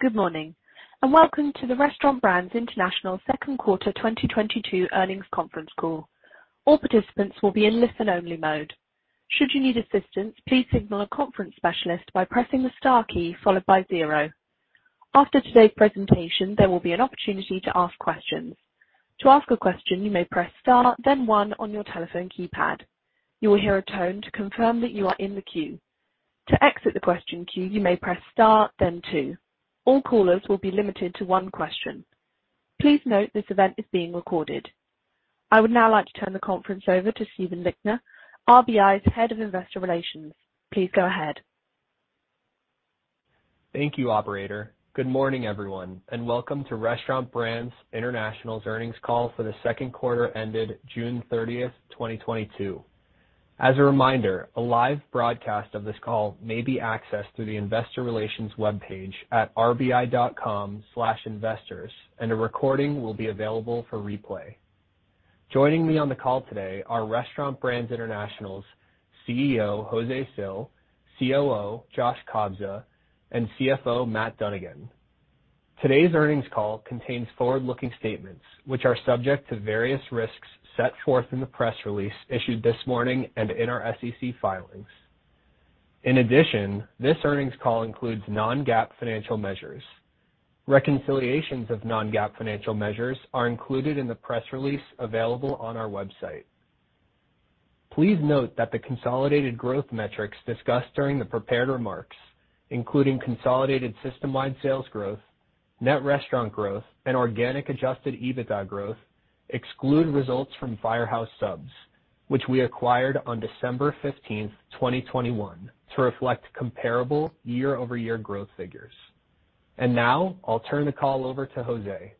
Good morning, and welcome to the Restaurant Brands International second quarter 2022 earnings conference call. All participants will be in listen-only mode. Should you need assistance, please signal a conference specialist by pressing the star key followed by zero. After today's presentation, there will be an opportunity to ask questions. To ask a question, you may press star then one on your telephone keypad. You will hear a tone to confirm that you are in the queue. To exit the question queue, you may press star then two. All callers will be limited to one question. Please note this event is being recorded. I would now like to turn the conference over to Stephen Lichtner, RBI's Head of Investor Relations. Please go ahead. Thank you, Operator. Good morning, everyone, and welcome to Restaurant Brands International's earnings call for the second quarter ended June 30th, 2022. As a reminder, a live broadcast of this call may be accessed through the investor relations webpage at rbi.com/investors, and a recording will be available for replay. Joining me on the call today are Restaurant Brands International's CEO, José Cil, COO, Josh Kobza, and CFO, Matt Dunnigan. Today's earnings call contains forward-looking statements, which are subject to various risks set forth in the press release issued this morning and in our SEC filings. In addition, this earnings call includes non-GAAP financial measures. Reconciliations of non-GAAP financial measures are included in the press release available on our website. Please note that the consolidated growth metrics discussed during the prepared remarks, including consolidated system-wide sales growth, net restaurant growth, and organic adjusted EBITDA growth exclude results from Firehouse Subs, which we acquired on December 15th, 2021 to reflect comparable year-over-year growth figures. Now, I'll turn the call over to José.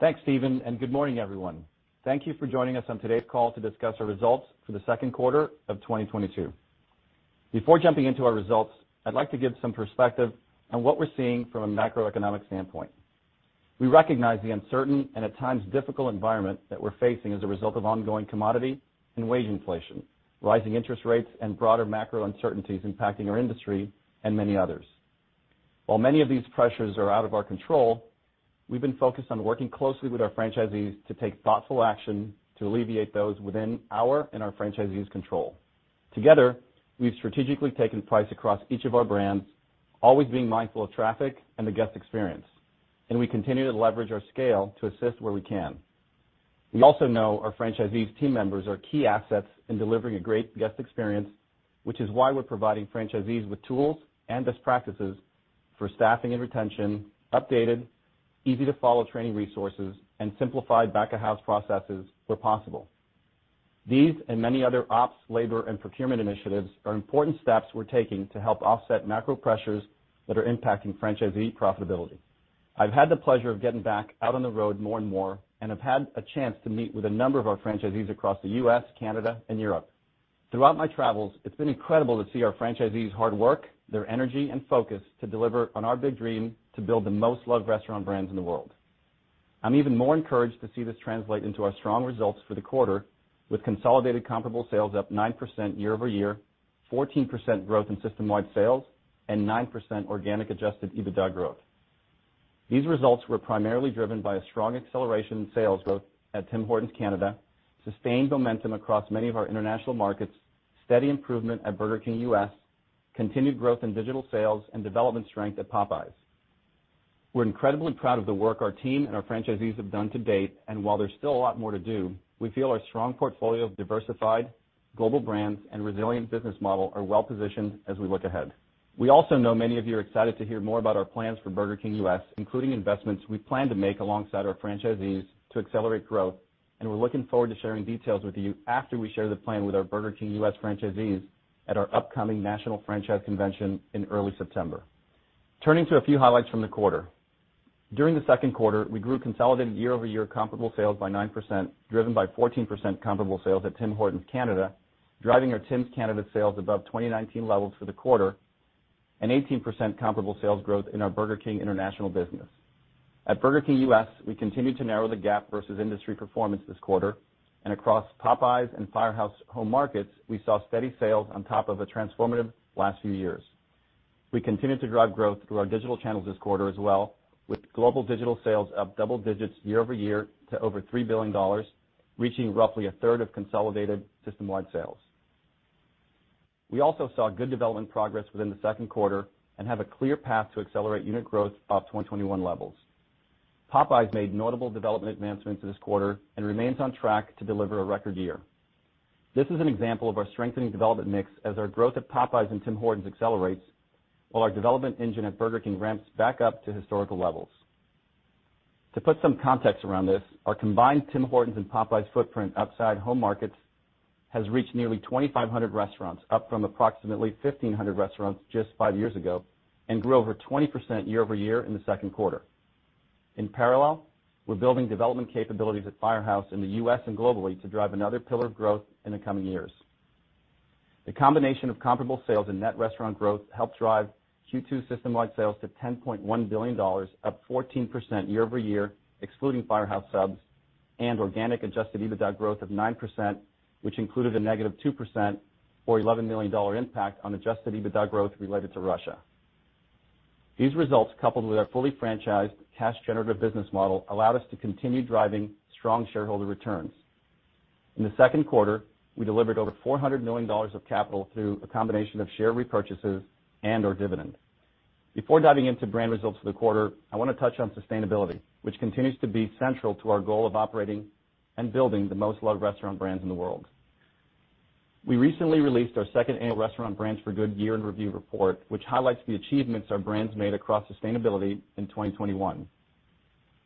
Thanks, Stephen, and good morning, everyone. Thank you for joining us on today's call to discuss our results for the second quarter of 2022. Before jumping into our results, I'd like to give some perspective on what we're seeing from a macroeconomic standpoint. We recognize the uncertain and at times difficult environment that we're facing as a result of ongoing commodity and wage inflation, rising interest rates, and broader macro uncertainties impacting our industry and many others. While many of these pressures are out of our control, we've been focused on working closely with our franchisees to take thoughtful action to alleviate those within our and our franchisees' control. Together, we've strategically taken price across each of our brands, always being mindful of traffic and the guest experience, and we continue to leverage our scale to assist where we can. We also know our franchisees' team members are key assets in delivering a great guest experience, which is why we're providing franchisees with tools and best practices for staffing and retention, updated, easy-to-follow training resources, and simplified back-of-house processes where possible. These and many other ops, labor, and procurement initiatives are important steps we're taking to help offset macro pressures that are impacting franchisee profitability. I've had the pleasure of getting back out on the road more and more and have had a chance to meet with a number of our franchisees across the U.S., Canada, and Europe. Throughout my travels, it's been incredible to see our franchisees' hard work, their energy, and focus to deliver on our big dream to build the most loved restaurant brands in the world. I'm even more encouraged to see this translate into our strong results for the quarter with consolidated comparable sales up 9% year-over-year, 14% growth in system-wide sales, and 9% organic adjusted EBITDA growth. These results were primarily driven by a strong acceleration in sales growth at Tim Hortons Canada, sustained momentum across many of our international markets, steady improvement at Burger King U.S., continued growth in digital sales, and development strength at Popeyes. We're incredibly proud of the work our team and our franchisees have done to date. While there's still a lot more to do, we feel our strong portfolio of diversified global brands and resilient business model are well positioned as we look ahead. We also know many of you are excited to hear more about our plans for Burger King U.S., including investments we plan to make alongside our franchisees to accelerate growth, and we're looking forward to sharing details with you after we share the plan with our Burger King U.S. franchisees at our upcoming National Franchise Convention in early September. Turning to a few highlights from the quarter. During the second quarter, we grew consolidated year-over-year comparable sales by 9%, driven by 14% comparable sales at Tim Hortons Canada, driving our Tim's Canada sales above 2019 levels for the quarter and 18% comparable sales growth in our Burger King international business. At Burger King U.S., we continued to narrow the gap versus industry performance this quarter, and across Popeyes and Firehouse Subs home markets, we saw steady sales on top of a transformative last few years. We continued to drive growth through our digital channels this quarter as well, with global digital sales up double digits year-over-year to over $3 billion, reaching roughly 1/3 of consolidated system-wide sales. We also saw good development progress within the second quarter and have a clear path to accelerate unit growth off 2021 levels. Popeyes made notable development advancements this quarter and remains on track to deliver a record year. This is an example of our strengthening development mix as our growth at Popeyes and Tim Hortons accelerates while our development engine at Burger King ramps back up to historical levels. To put some context around this, our combined Tim Hortons and Popeyes footprint outside home markets has reached nearly 2,500 restaurants, up from approximately 1,500 restaurants just five years ago and grew over 20% year-over-year in the second quarter. In parallel, we're building development capabilities at Firehouse Subs in the U.S. and globally to drive another pillar of growth in the coming years. The combination of comparable sales and net restaurant growth helped drive Q2 system-wide sales to $10.1 billion, up 14% year-over-year, excluding Firehouse Subs. Organic adjusted EBITDA growth of 9%, which included a -2% or $11 million impact on adjusted EBITDA growth related to Russia. These results, coupled with our fully franchised cash generative business model, allowed us to continue driving strong shareholder returns. In the second quarter, we delivered over $400 million of capital through a combination of share repurchases and our dividend. Before diving into brand results for the quarter, I want to touch on sustainability, which continues to be central to our goal of operating and building the most loved restaurant brands in the world. We recently released our second annual Restaurant Brands for Good Year in Review report, which highlights the achievements our brands made across sustainability in 2021.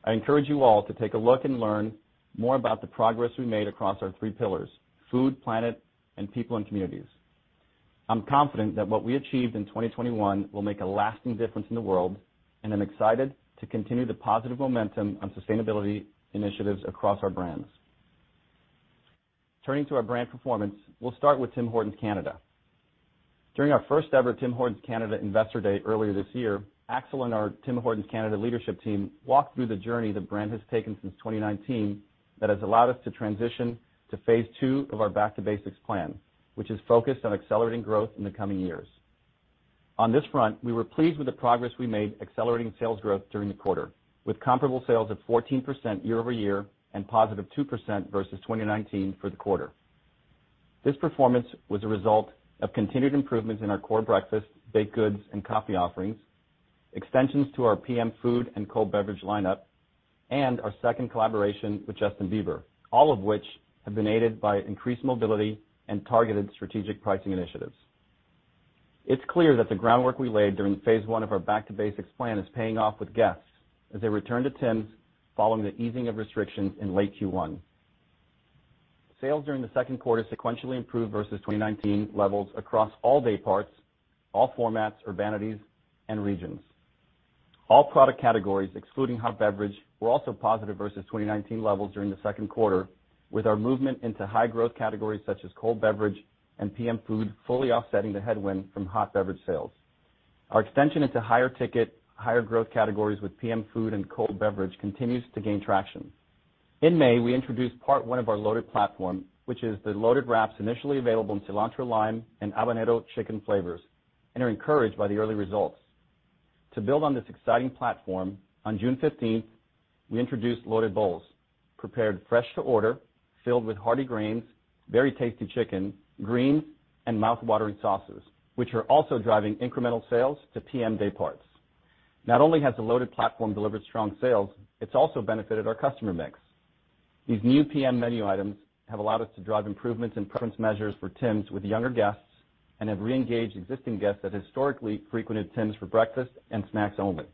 I encourage you all to take a look and learn more about the progress we made across our three pillars, food, planet, and people and communities. I'm confident that what we achieved in 2021 will make a lasting difference in the world, and I'm excited to continue the positive momentum on sustainability initiatives across our brands. Turning to our brand performance, we'll start with Tim Hortons Canada. During our first ever Tim Hortons Canada Investor Day earlier this year, Axel and our Tim Hortons Canada leadership team walked through the journey the brand has taken since 2019 that has allowed us to transition to phase two of our Back to Basics plan, which is focused on accelerating growth in the coming years. On this front, we were pleased with the progress we made accelerating sales growth during the quarter, with comparable sales of 14% year-over-year and +2% versus 2019 for the quarter. This performance was a result of continued improvements in our core breakfast, baked goods, and coffee offerings, extensions to our PM food and cold beverage lineup, and our second collaboration with Justin Bieber, all of which have been aided by increased mobility and targeted strategic pricing initiatives. It's clear that the groundwork we laid during phase one of our Back to Basics plan is paying off with guests as they return to Tim's following the easing of restrictions in late Q1. Sales during the second quarter sequentially improved versus 2019 levels across all day parts, all formats, urbanities, and regions. All product categories excluding hot beverage were also positive versus 2019 levels during the second quarter with our movement into high growth categories such as cold beverage and PM food fully offsetting the headwind from hot beverage sales. Our extension into higher ticket, higher growth categories with PM food and cold beverage continues to gain traction. In May, we introduced part one of our Loaded platform, which is the Loaded Wraps initially available in Cilantro Lime and Habanero Chicken flavors, and are encouraged by the early results. To build on this exciting platform, on June 15+th, we introduced Loaded Bowls prepared fresh to order, filled with hearty grains, very tasty chicken, greens, and mouth-watering sauces, which are also driving incremental sales to PM day parts. Not only has the Loaded platform delivered strong sales, it's also benefited our customer mix. These new PM menu items have allowed us to drive improvements in preference measures for Tim's with younger guests and have re-engaged existing guests that historically frequented Tim's for breakfast and snacks only.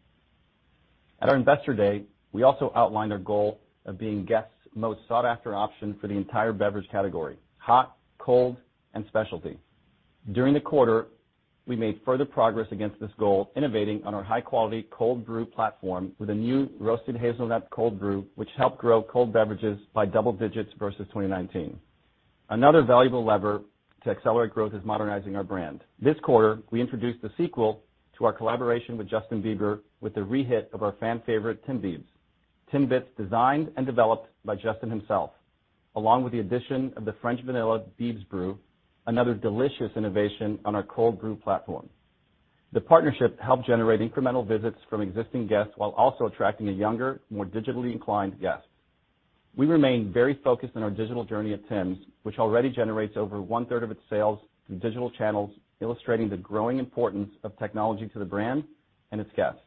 At our Investor Day, we also outlined our goal of being guests' most sought-after option for the entire beverage category, hot, cold, and specialty. During the quarter, we made further progress against this goal, innovating on our high-quality cold brew platform with a new Roasted Hazelnut Cold Brew, which helped grow cold beverages by double digits versus 2019. Another valuable lever to accelerate growth is modernizing our brand. This quarter, we introduced the sequel to our collaboration with Justin Bieber with the re-hit of our fan favorite, Timbiebs. Timbits designed and developed by Justin himself, along with the addition of the French vanilla Biebs Brew, another delicious innovation on our cold brew platform. The partnership helped generate incremental visits from existing guests while also attracting a younger, more digitally inclined guest. We remain very focused on our digital journey at Tim's, which already generates over 1/3 of its sales from digital channels, illustrating the growing importance of technology to the brand and its guests.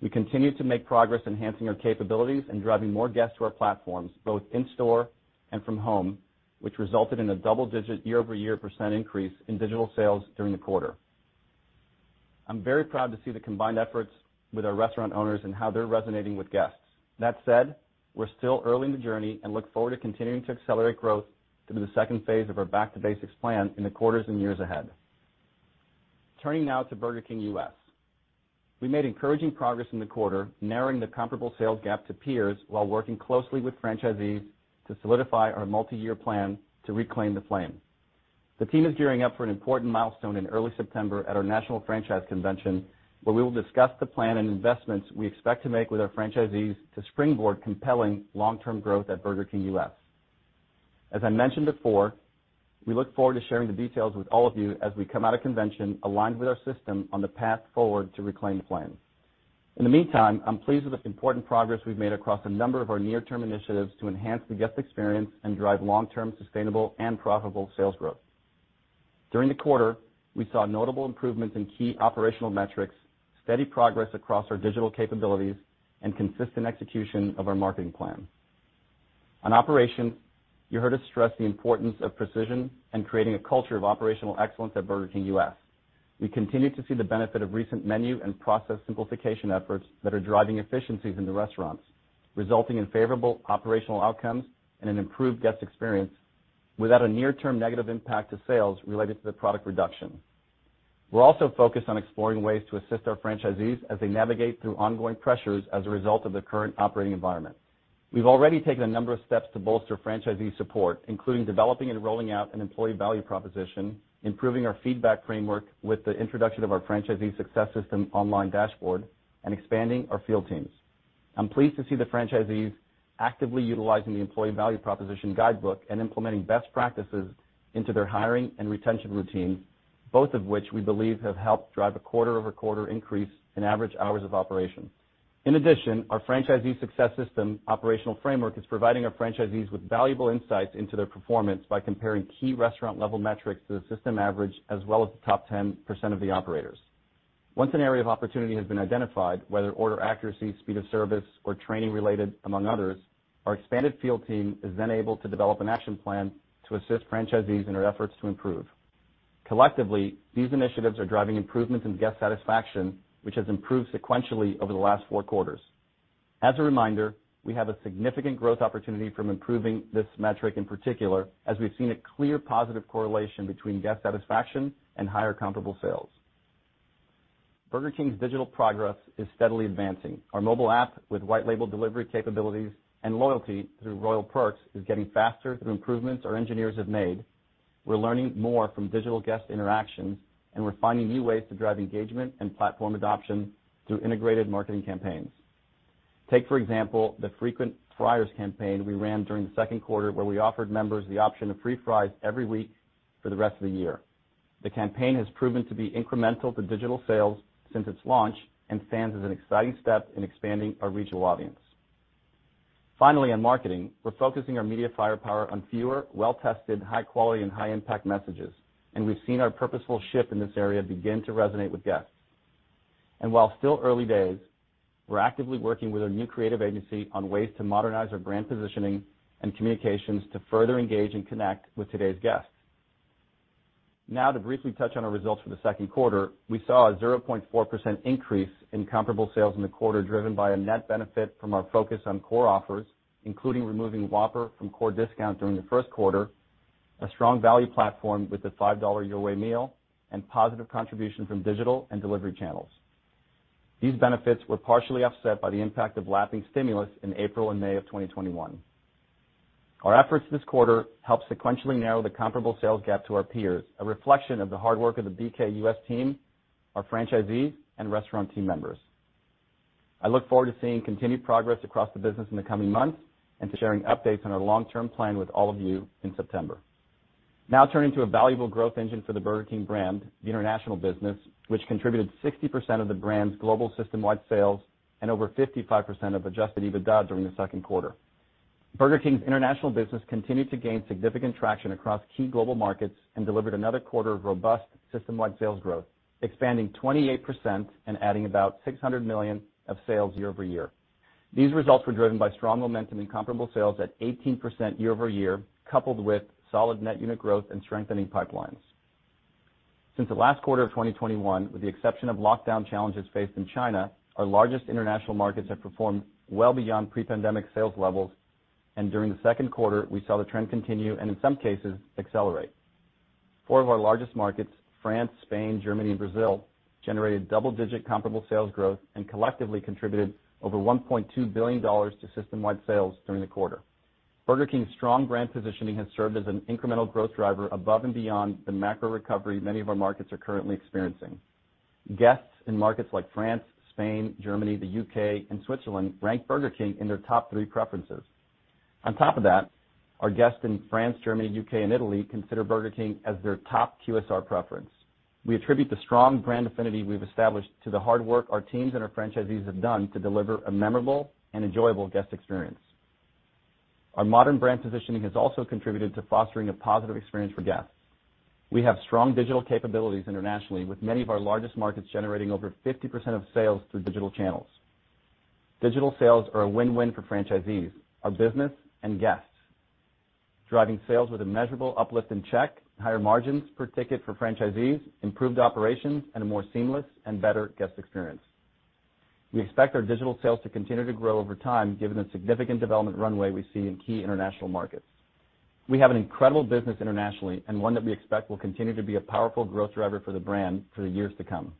We continue to make progress enhancing our capabilities and driving more guests to our platforms, both in store and from home, which resulted in a double-digit year-over-year percent increase in digital sales during the quarter. I'm very proud to see the combined efforts with our restaurant owners and how they're resonating with guests. That said, we're still early in the journey and look forward to continuing to accelerate growth through the second phase of our Back to Basics plan in the quarters and years ahead. Turning now to Burger King U.S. We made encouraging progress in the quarter, narrowing the comparable sales gap to peers while working closely with franchisees to solidify our multiyear plan to Reclaim the Flame. The team is gearing up for an important milestone in early September at our National Franchise Convention, where we will discuss the plan and investments we expect to make with our franchisees to springboard compelling long-term growth at Burger King U.S. As I mentioned before, we look forward to sharing the details with all of you as we come out of convention aligned with our system on the path forward to Reclaim the Flame. In the meantime, I'm pleased with the important progress we've made across a number of our near-term initiatives to enhance the guest experience and drive long-term sustainable and profitable sales growth. During the quarter, we saw notable improvements in key operational metrics, steady progress across our digital capabilities, and consistent execution of our marketing plan. On operations, you heard us stress the importance of precision and creating a culture of operational excellence at Burger King U.S. We continue to see the benefit of recent menu and process simplification efforts that are driving efficiencies in the restaurants, resulting in favorable operational outcomes and an improved guest experience without a near-term negative impact to sales related to the product reduction. We're also focused on exploring ways to assist our franchisees as they navigate through ongoing pressures as a result of the current operating environment. We've already taken a number of steps to bolster franchisee support, including developing and rolling out an Employee Value Proposition, improving our feedback framework with the introduction of our Franchisee Success System online dashboard, and expanding our field teams. I'm pleased to see the franchisees actively utilizing the Employee Value Proposition guidebook and implementing best practices into their hiring and retention routines, both of which we believe have helped drive a quarter-over-quarter increase in average hours of operation. In addition, our Franchisee Success System operational framework is providing our franchisees with valuable insights into their performance by comparing key restaurant level metrics to the system average as well as the top 10% of the operators. Once an area of opportunity has been identified, whether order accuracy, speed of service, or training related, among others, our expanded field team is then able to develop an action plan to assist franchisees in their efforts to improve. Collectively, these initiatives are driving improvements in guest satisfaction, which has improved sequentially over the last four quarters. As a reminder, we have a significant growth opportunity from improving this metric in particular, as we've seen a clear positive correlation between guest satisfaction and higher comparable sales. Burger King's digital progress is steadily advancing. Our mobile app with white label delivery capabilities and loyalty through Royal Perks is getting faster through improvements our engineers have made. We're learning more from digital guest interactions, and we're finding new ways to drive engagement and platform adoption through integrated marketing campaigns. Take, for example, the Frequent Fryers campaign we ran during the second quarter, where we offered members the option of free fries every week for the rest of the year. The campaign has proven to be incremental to digital sales since its launch and stands as an exciting step in expanding our regional audience. Finally, on marketing, we're focusing our media firepower on fewer, well-tested, high-quality and high-impact messages, and we've seen our purposeful shift in this area begin to resonate with guests. While still early days, we're actively working with our new creative agency on ways to modernize our brand positioning and communications to further engage and connect with today's guests. Now to briefly touch on our results for the second quarter, we saw a 0.4% increase in comparable sales in the quarter, driven by a net benefit from our focus on core offers, including removing Whopper from core discount during the first quarter, a strong value platform with the $5 Your Way Meal, and positive contribution from digital and delivery channels. These benefits were partially offset by the impact of lapping stimulus in April and May of 2021. Our efforts this quarter helped sequentially narrow the comparable sales gap to our peers, a reflection of the hard work of the BK U.S. team, our franchisees, and restaurant team members. I look forward to seeing continued progress across the business in the coming months and to sharing updates on our long-term plan with all of you in September. Now turning to a valuable growth engine for the Burger King brand, the international business, which contributed 60% of the brand's global system-wide sales and over 55% of adjusted EBITDA during the second quarter. Burger King's international business continued to gain significant traction across key global markets and delivered another quarter of robust system-wide sales growth, expanding 28% and adding about $600 million of sales year-over-year. These results were driven by strong momentum in comparable sales at 18% year-over-year, coupled with solid net unit growth and strengthening pipelines. Since the last quarter of 2021, with the exception of lockdown challenges faced in China, our largest international markets have performed well beyond pre-pandemic sales levels, and during the second quarter, we saw the trend continue and in some cases accelerate. Four of our largest markets, France, Spain, Germany and Brazil, generated double-digit comparable sales growth and collectively contributed over $1.2 billion to system-wide sales during the quarter. Burger King's strong brand positioning has served as an incremental growth driver above and beyond the macro recovery many of our markets are currently experiencing. Guests in markets like France, Spain, Germany, the U.K. and Switzerland rank Burger King in their top three preferences. On top of that, our guests in France, Germany, U.K. and Italy consider Burger King as their top QSR preference. We attribute the strong brand affinity we've established to the hard work our teams and our franchisees have done to deliver a memorable and enjoyable guest experience. Our modern brand positioning has also contributed to fostering a positive experience for guests. We have strong digital capabilities internationally, with many of our largest markets generating over 50% of sales through digital channels. Digital sales are a win-win for franchisees, our business and guests. Driving sales with a measurable uplift in check, higher margins per ticket for franchisees, improved operations and a more seamless and better guest experience. We expect our digital sales to continue to grow over time, given the significant development runway we see in key international markets. We have an incredible business internationally and one that we expect will continue to be a powerful growth driver for the brand for the years to come.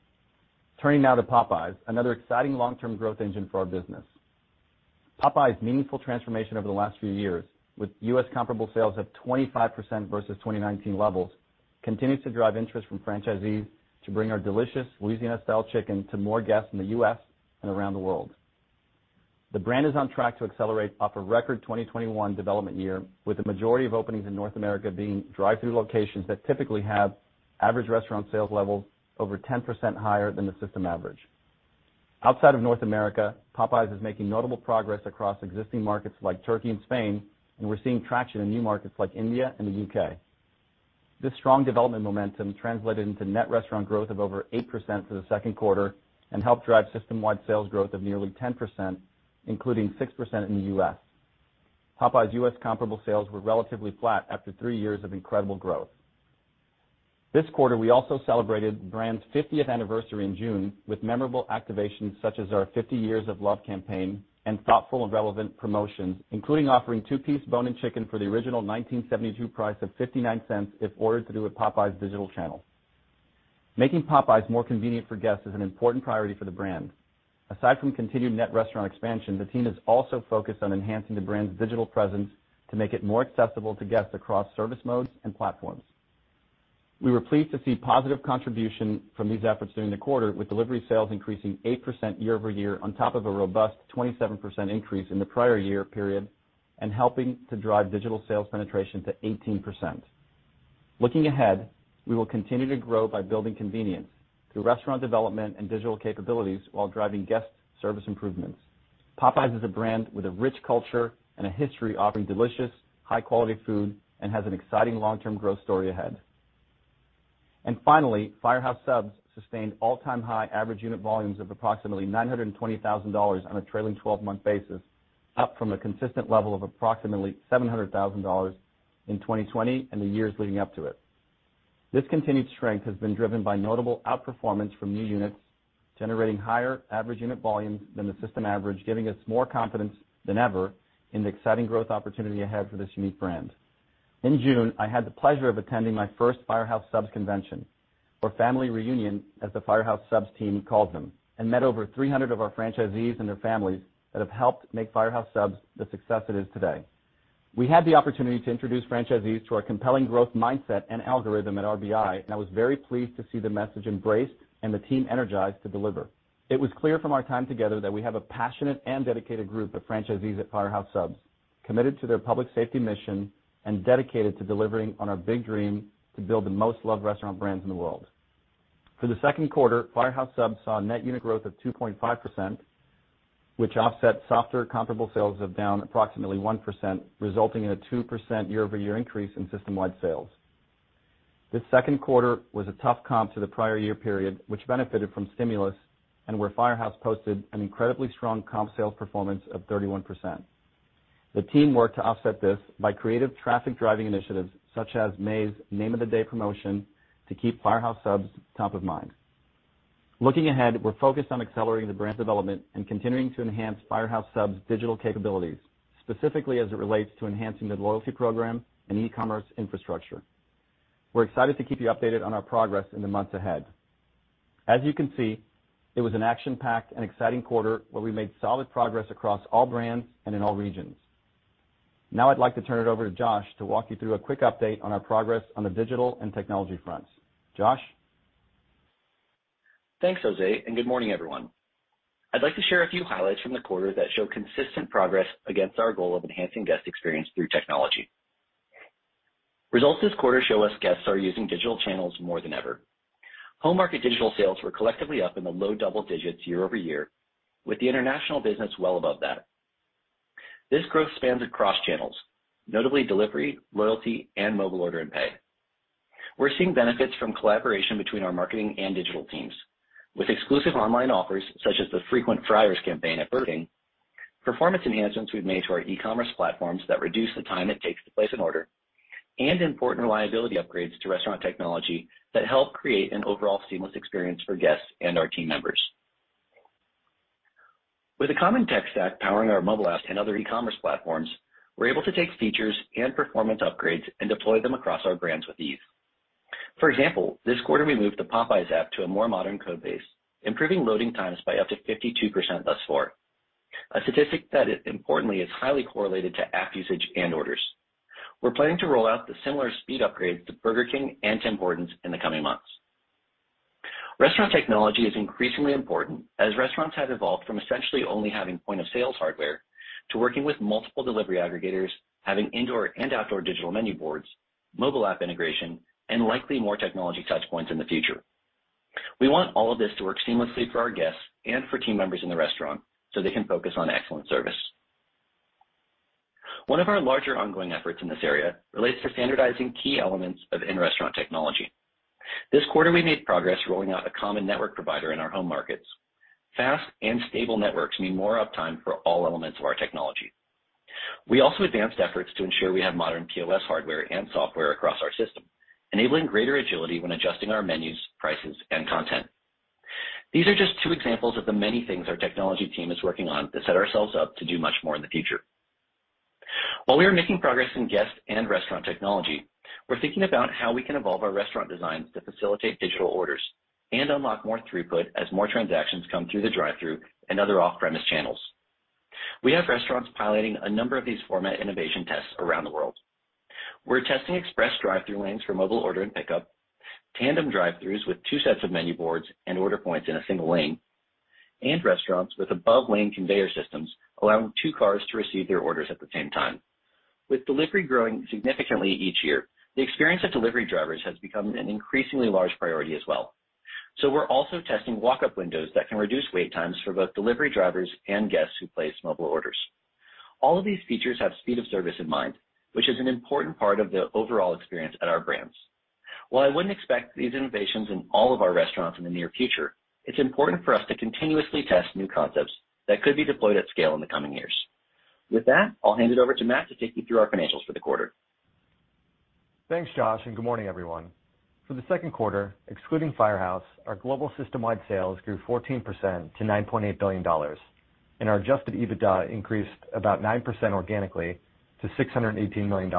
Turning now to Popeyes, another exciting long-term growth engine for our business. Popeyes' meaningful transformation over the last few years, with U.S. comparable sales of 25% versus 2019 levels, continues to drive interest from franchisees to bring our delicious Louisiana style chicken to more guests in the U.S. and around the world. The brand is on track to accelerate off a record 2021 development year, with the majority of openings in North America being drive-thru locations that typically have average restaurant sales levels over 10% higher than the system average. Outside of North America, Popeyes is making notable progress across existing markets like Turkey and Spain, and we're seeing traction in new markets like India and the U.K. This strong development momentum translated into net restaurant growth of over 8% for the second quarter and helped drive system-wide sales growth of nearly 10%, including 6% in the U.S. Popeyes' U.S. comparable sales were relatively flat after three years of incredible growth. This quarter, we also celebrated the brand's 50th anniversary in June with memorable activations such as our 50 Years of Love campaign and thoughtful and relevant promotions, including offering two-piece bone-in chicken for the original 1972 price of $0.59 if ordered through a Popeyes digital channel. Making Popeyes more convenient for guests is an important priority for the brand. Aside from continued net restaurant expansion, the team is also focused on enhancing the brand's digital presence to make it more accessible to guests across service modes and platforms. We were pleased to see positive contribution from these efforts during the quarter, with delivery sales increasing 8% year-over-year on top of a robust 27% increase in the prior year period and helping to drive digital sales penetration to 18%. Looking ahead, we will continue to grow by building convenience through restaurant development and digital capabilities while driving guest service improvements. Popeyes is a brand with a rich culture and a history offering delicious, high-quality food and has an exciting long-term growth story ahead. Finally, Firehouse Subs sustained all-time high average unit volumes of approximately $920,000 on a trailing 12-month basis, up from a consistent level of approximately $700,000 in 2020 and the years leading up to it. This continued strength has been driven by notable outperformance from new units, generating higher average unit volumes than the system average, giving us more confidence than ever in the exciting growth opportunity ahead for this unique brand. In June, I had the pleasure of attending my first Firehouse Subs convention or family reunion, as the Firehouse Subs team called them, and met over 300 of our franchisees and their families that have helped make Firehouse Subs the success it is today. We had the opportunity to introduce franchisees to our compelling growth mindset and algorithm at RBI, and I was very pleased to see the message embraced and the team energized to deliver. It was clear from our time together that we have a passionate and dedicated group of franchisees at Firehouse Subs committed to their public safety mission and dedicated to delivering on our big dream to build the most loved restaurant brands in the world. For the second quarter, Firehouse Subs saw a net unit growth of 2.5%, which offset softer comparable sales of down approximately 1%, resulting in a 2% year-over-year increase in system-wide sales. This second quarter was a tough comp to the prior year period, which benefited from stimulus, and where Firehouse posted an incredibly strong comp sales performance of 31%. The team worked to offset this by creative traffic-driving initiatives such as May's Name of the Day promotion to keep Firehouse Subs top of mind. Looking ahead, we're focused on accelerating the brand development and continuing to enhance Firehouse Subs' digital capabilities, specifically as it relates to enhancing the loyalty program and e-commerce infrastructure. We're excited to keep you updated on our progress in the months ahead. As you can see, it was an action-packed and exciting quarter where we made solid progress across all brands and in all regions. Now I'd like to turn it over to Josh to walk you through a quick update on our progress on the digital and technology fronts. Josh? Thanks, José, and good morning, everyone. I'd like to share a few highlights from the quarter that show consistent progress against our goal of enhancing guest experience through technology. Results this quarter show us guests are using digital channels more than ever. Home market digital sales were collectively up in the low double digits year-over-year, with the international business well above that. This growth spans across channels, notably delivery, loyalty, and mobile order and pay. We're seeing benefits from collaboration between our marketing and digital teams with exclusive online offers, such as the Frequent Fryers campaign at Burger King, performance enhancements we've made to our e-commerce platforms that reduce the time it takes to place an order, and important reliability upgrades to restaurant technology that help create an overall seamless experience for guests and our team members. With a common tech stack powering our mobile apps and other e-commerce platforms, we're able to take features and performance upgrades and deploy them across our brands with ease. For example, this quarter we moved the Popeyes app to a more modern code base, improving loading times by up to 52% thus far, a statistic that importantly is highly correlated to app usage and orders. We're planning to roll out the similar speed upgrades to Burger King and Tim Hortons in the coming months. Restaurant technology is increasingly important as restaurants have evolved from essentially only having point-of-sale hardware to working with multiple delivery aggregators, having indoor and outdoor digital menu boards, mobile app integration, and likely more technology touch points in the future. We want all of this to work seamlessly for our guests and for team members in the restaurant, so they can focus on excellent service. One of our larger ongoing efforts in this area relates to standardizing key elements of in-restaurant technology. This quarter, we made progress rolling out a common network provider in our home markets. Fast and stable networks mean more uptime for all elements of our technology. We also advanced efforts to ensure we have modern POS hardware and software across our system, enabling greater agility when adjusting our menus, prices, and content. These are just two examples of the many things our technology team is working on to set ourselves up to do much more in the future. While we are making progress in guest and restaurant technology, we're thinking about how we can evolve our restaurant designs to facilitate digital orders and unlock more throughput as more transactions come through the drive-thru and other off-premise channels. We have restaurants piloting a number of these format innovation tests around the world. We're testing express drive-thru lanes for mobile order and pickup, tandem drive-thrus with two sets of menu boards and order points in a single lane, and restaurants with above lane conveyor systems, allowing two cars to receive their orders at the same time. With delivery growing significantly each year, the experience of delivery drivers has become an increasingly large priority as well. We're also testing walk-up windows that can reduce wait times for both delivery drivers and guests who place mobile orders. All of these features have speed of service in mind, which is an important part of the overall experience at our brands. While I wouldn't expect these innovations in all of our restaurants in the near future, it's important for us to continuously test new concepts that could be deployed at scale in the coming years. With that, I'll hand it over to Matt to take you through our financials for the quarter. Thanks, Josh, and good morning, everyone. For the second quarter, excluding Firehouse, our global system-wide sales grew 14% to $9.8 billion, and our adjusted EBITDA increased about 9% organically to $618 million.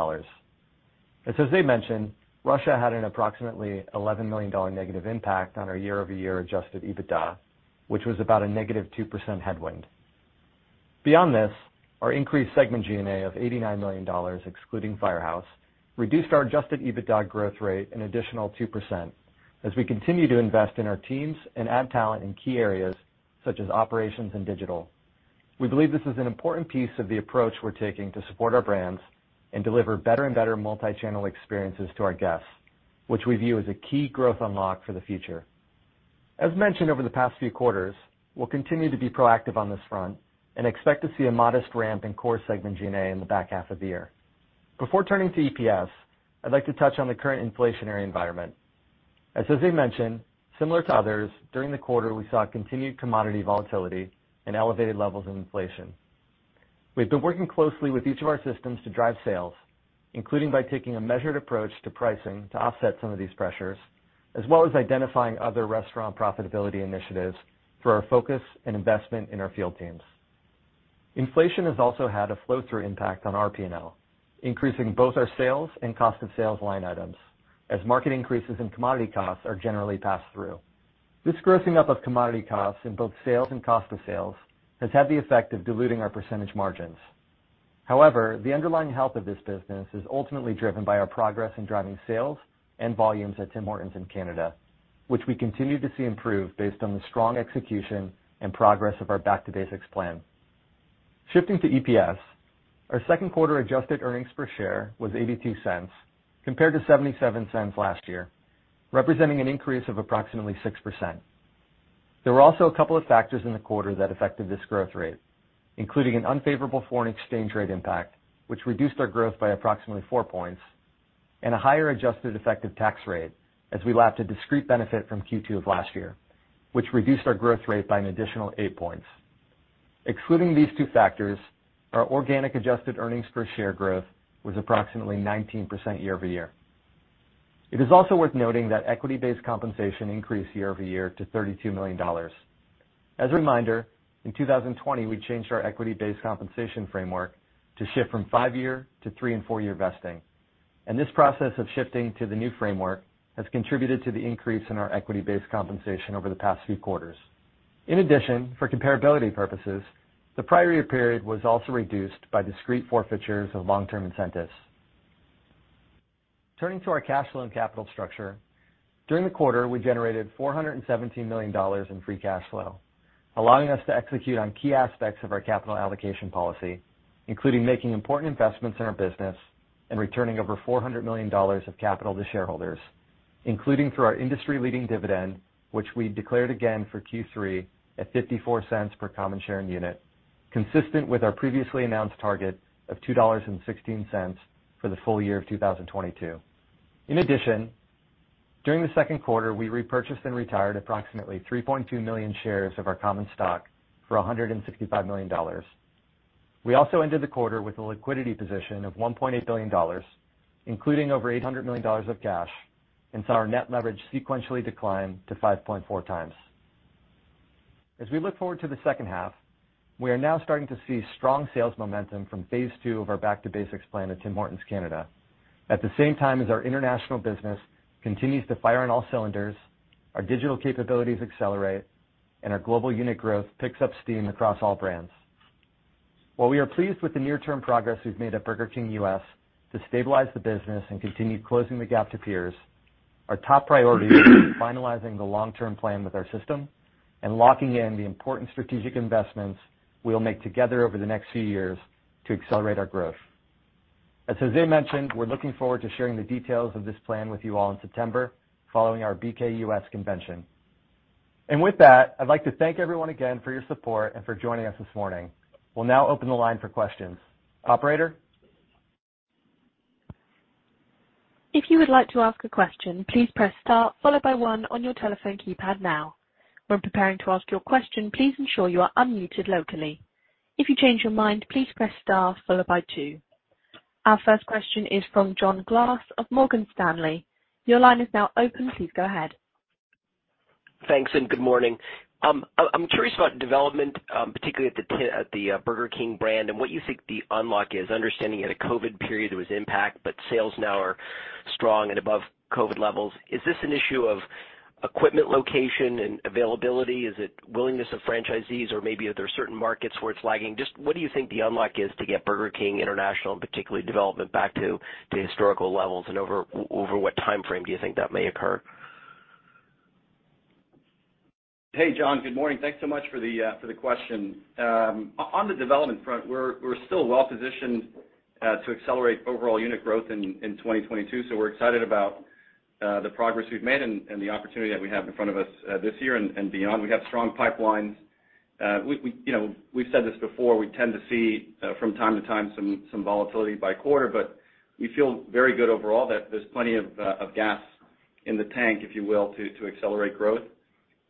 As José mentioned, Russia had an approximately $11 million negative impact on our year-over-year adjusted EBITDA, which was about a negative 2% headwind. Beyond this, our increased segment G&A of $89 million excluding Firehouse reduced our adjusted EBITDA growth rate an additional 2% as we continue to invest in our teams and add talent in key areas such as operations and digital. We believe this is an important piece of the approach we're taking to support our brands and deliver better and better multi-channel experiences to our guests, which we view as a key growth unlock for the future. As mentioned over the past few quarters, we'll continue to be proactive on this front and expect to see a modest ramp in core segment G&A in the back half of the year. Before turning to EPS, I'd like to touch on the current inflationary environment. As José mentioned, similar to others, during the quarter, we saw continued commodity volatility and elevated levels of inflation. We've been working closely with each of our systems to drive sales, including by taking a measured approach to pricing to offset some of these pressures, as well as identifying other restaurant profitability initiatives through our focus and investment in our field teams. Inflation has also had a flow-through impact on our P&L, increasing both our sales and cost of sales line items as market increases in commodity costs are generally passed through. This grossing up of commodity costs in both sales and cost of sales has had the effect of diluting our percentage margins. However, the underlying health of this business is ultimately driven by our progress in driving sales and volumes at Tim Hortons in Canada, which we continue to see improve based on the strong execution and progress of our Back to Basics plan. Shifting to EPS, our second quarter adjusted earnings per share was $0.82 compared to $0.77 last year, representing an increase of approximately 6%. There were also a couple of factors in the quarter that affected this growth rate, including an unfavorable foreign exchange rate impact, which reduced our growth by approximately 4 points, and a higher adjusted effective tax rate as we lapped a discrete benefit from Q2 of last year, which reduced our growth rate by an additional 8 points. Excluding these two factors, our organic adjusted earnings per share growth was approximately 19% year-over-year. It is also worth noting that equity-based compensation increased year-over-year to $32 million. As a reminder, in 2020, we changed our equity-based compensation framework to shift from five-year to three- and four-year vesting, and this process of shifting to the new framework has contributed to the increase in our equity-based compensation over the past few quarters. In addition, for comparability purposes, the prior year period was also reduced by discrete forfeitures of long-term incentives. Turning to our cash flow and capital structure. During the quarter, we generated $417 million in free cash flow, allowing us to execute on key aspects of our capital allocation policy, including making important investments in our business and returning over $400 million of capital to shareholders, including through our industry-leading dividend, which we declared again for Q3 at $0.54 per common share and unit, consistent with our previously announced target of $2.16 for the full year of 2022. In addition, during the second quarter, we repurchased and retired approximately 3.2 million shares of our common stock for $165 million. We also ended the quarter with a liquidity position of $1.8 billion, including over $800 million of cash, and saw our net leverage sequentially decline to 5.4x. As we look forward to the second half, we are now starting to see strong sales momentum from phase two of our Back to Basics plan at Tim Hortons Canada. At the same time as our international business continues to fire on all cylinders, our digital capabilities accelerate, and our global unit growth picks up steam across all brands. While we are pleased with the near-term progress we've made at Burger King U.S. to stabilize the business and continue closing the gap to peers, our top priority is finalizing the long-term plan with our system and locking in the important strategic investments we will make together over the next few years to accelerate our growth. As José mentioned, we're looking forward to sharing the details of this plan with you all in September following our BK U.S. convention. With that, I'd like to thank everyone again for your support and for joining us this morning. We'll now open the line for questions. Operator? If you would like to ask a question, please press star followed by one on your telephone keypad now. When preparing to ask your question, please ensure you are unmuted locally. If you change your mind, please press star followed by two. Our first question is from John Glass of Morgan Stanley. Your line is now open. Please go ahead. Thanks, good morning. I'm curious about development, particularly at the Burger King brand and what you think the unlock is, understanding you had a COVID period that was impacted, but sales now are strong and above COVID levels. Is this an issue of equipment location and availability? Is it willingness of franchisees or maybe are there certain markets where it's lagging? Just what do you think the unlock is to get Burger King international and particularly development back to historical levels and over what time frame do you think that may occur? Hey, John. Good morning. Thanks so much for the question. On the development front, we're still well positioned to accelerate overall unit growth in 2022, so we're excited about the progress we've made and the opportunity that we have in front of us this year and beyond. We have strong pipelines. You know, we've said this before, we tend to see from time to time some volatility by quarter, but we feel very good overall that there's plenty of gas in the tank, if you will, to accelerate growth.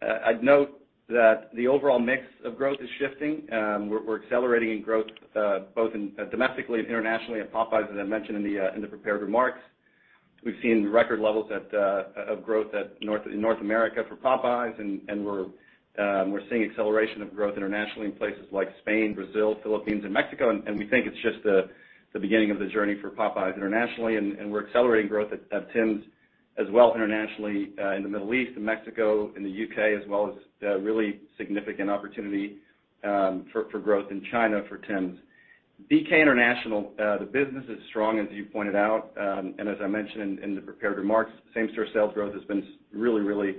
I'd note that the overall mix of growth is shifting. We're accelerating in growth both domestically and internationally at Popeyes, as I mentioned in the prepared remarks. We've seen record levels of growth in North America for Popeyes, and we're seeing acceleration of growth internationally in places like Spain, Brazil, Philippines, and Mexico. We think it's just the beginning of the journey for Popeyes internationally, and we're accelerating growth at Tim's. As well internationally, in the Middle East, in Mexico, in the U.K., as well as, really significant opportunity for growth in China for Tim's. BK International, the business is strong as you pointed out, and as I mentioned in the prepared remarks, same-store sales growth has been really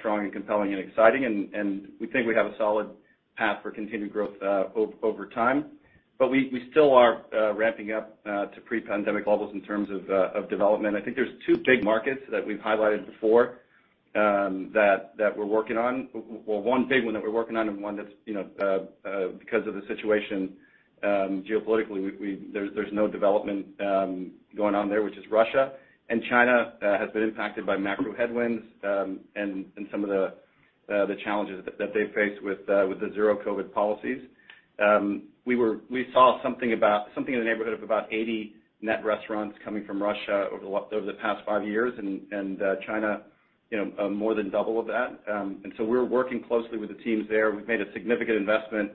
strong and compelling and exciting. We think we have a solid path for continued growth over time. We still are ramping up to pre-pandemic levels in terms of development. I think there's two big markets that we've highlighted before, that we're working on. Or one big one that we're working on and one that's, you know, because of the situation, geopolitically, there's no development going on there, which is Russia. China has been impacted by macro headwinds and some of the challenges that they face with the Zero-COVID policies. We saw something in the neighborhood of about 80 net restaurants coming from Russia over the past five years, and China more than double of that. We're working closely with the teams there. We've made a significant investment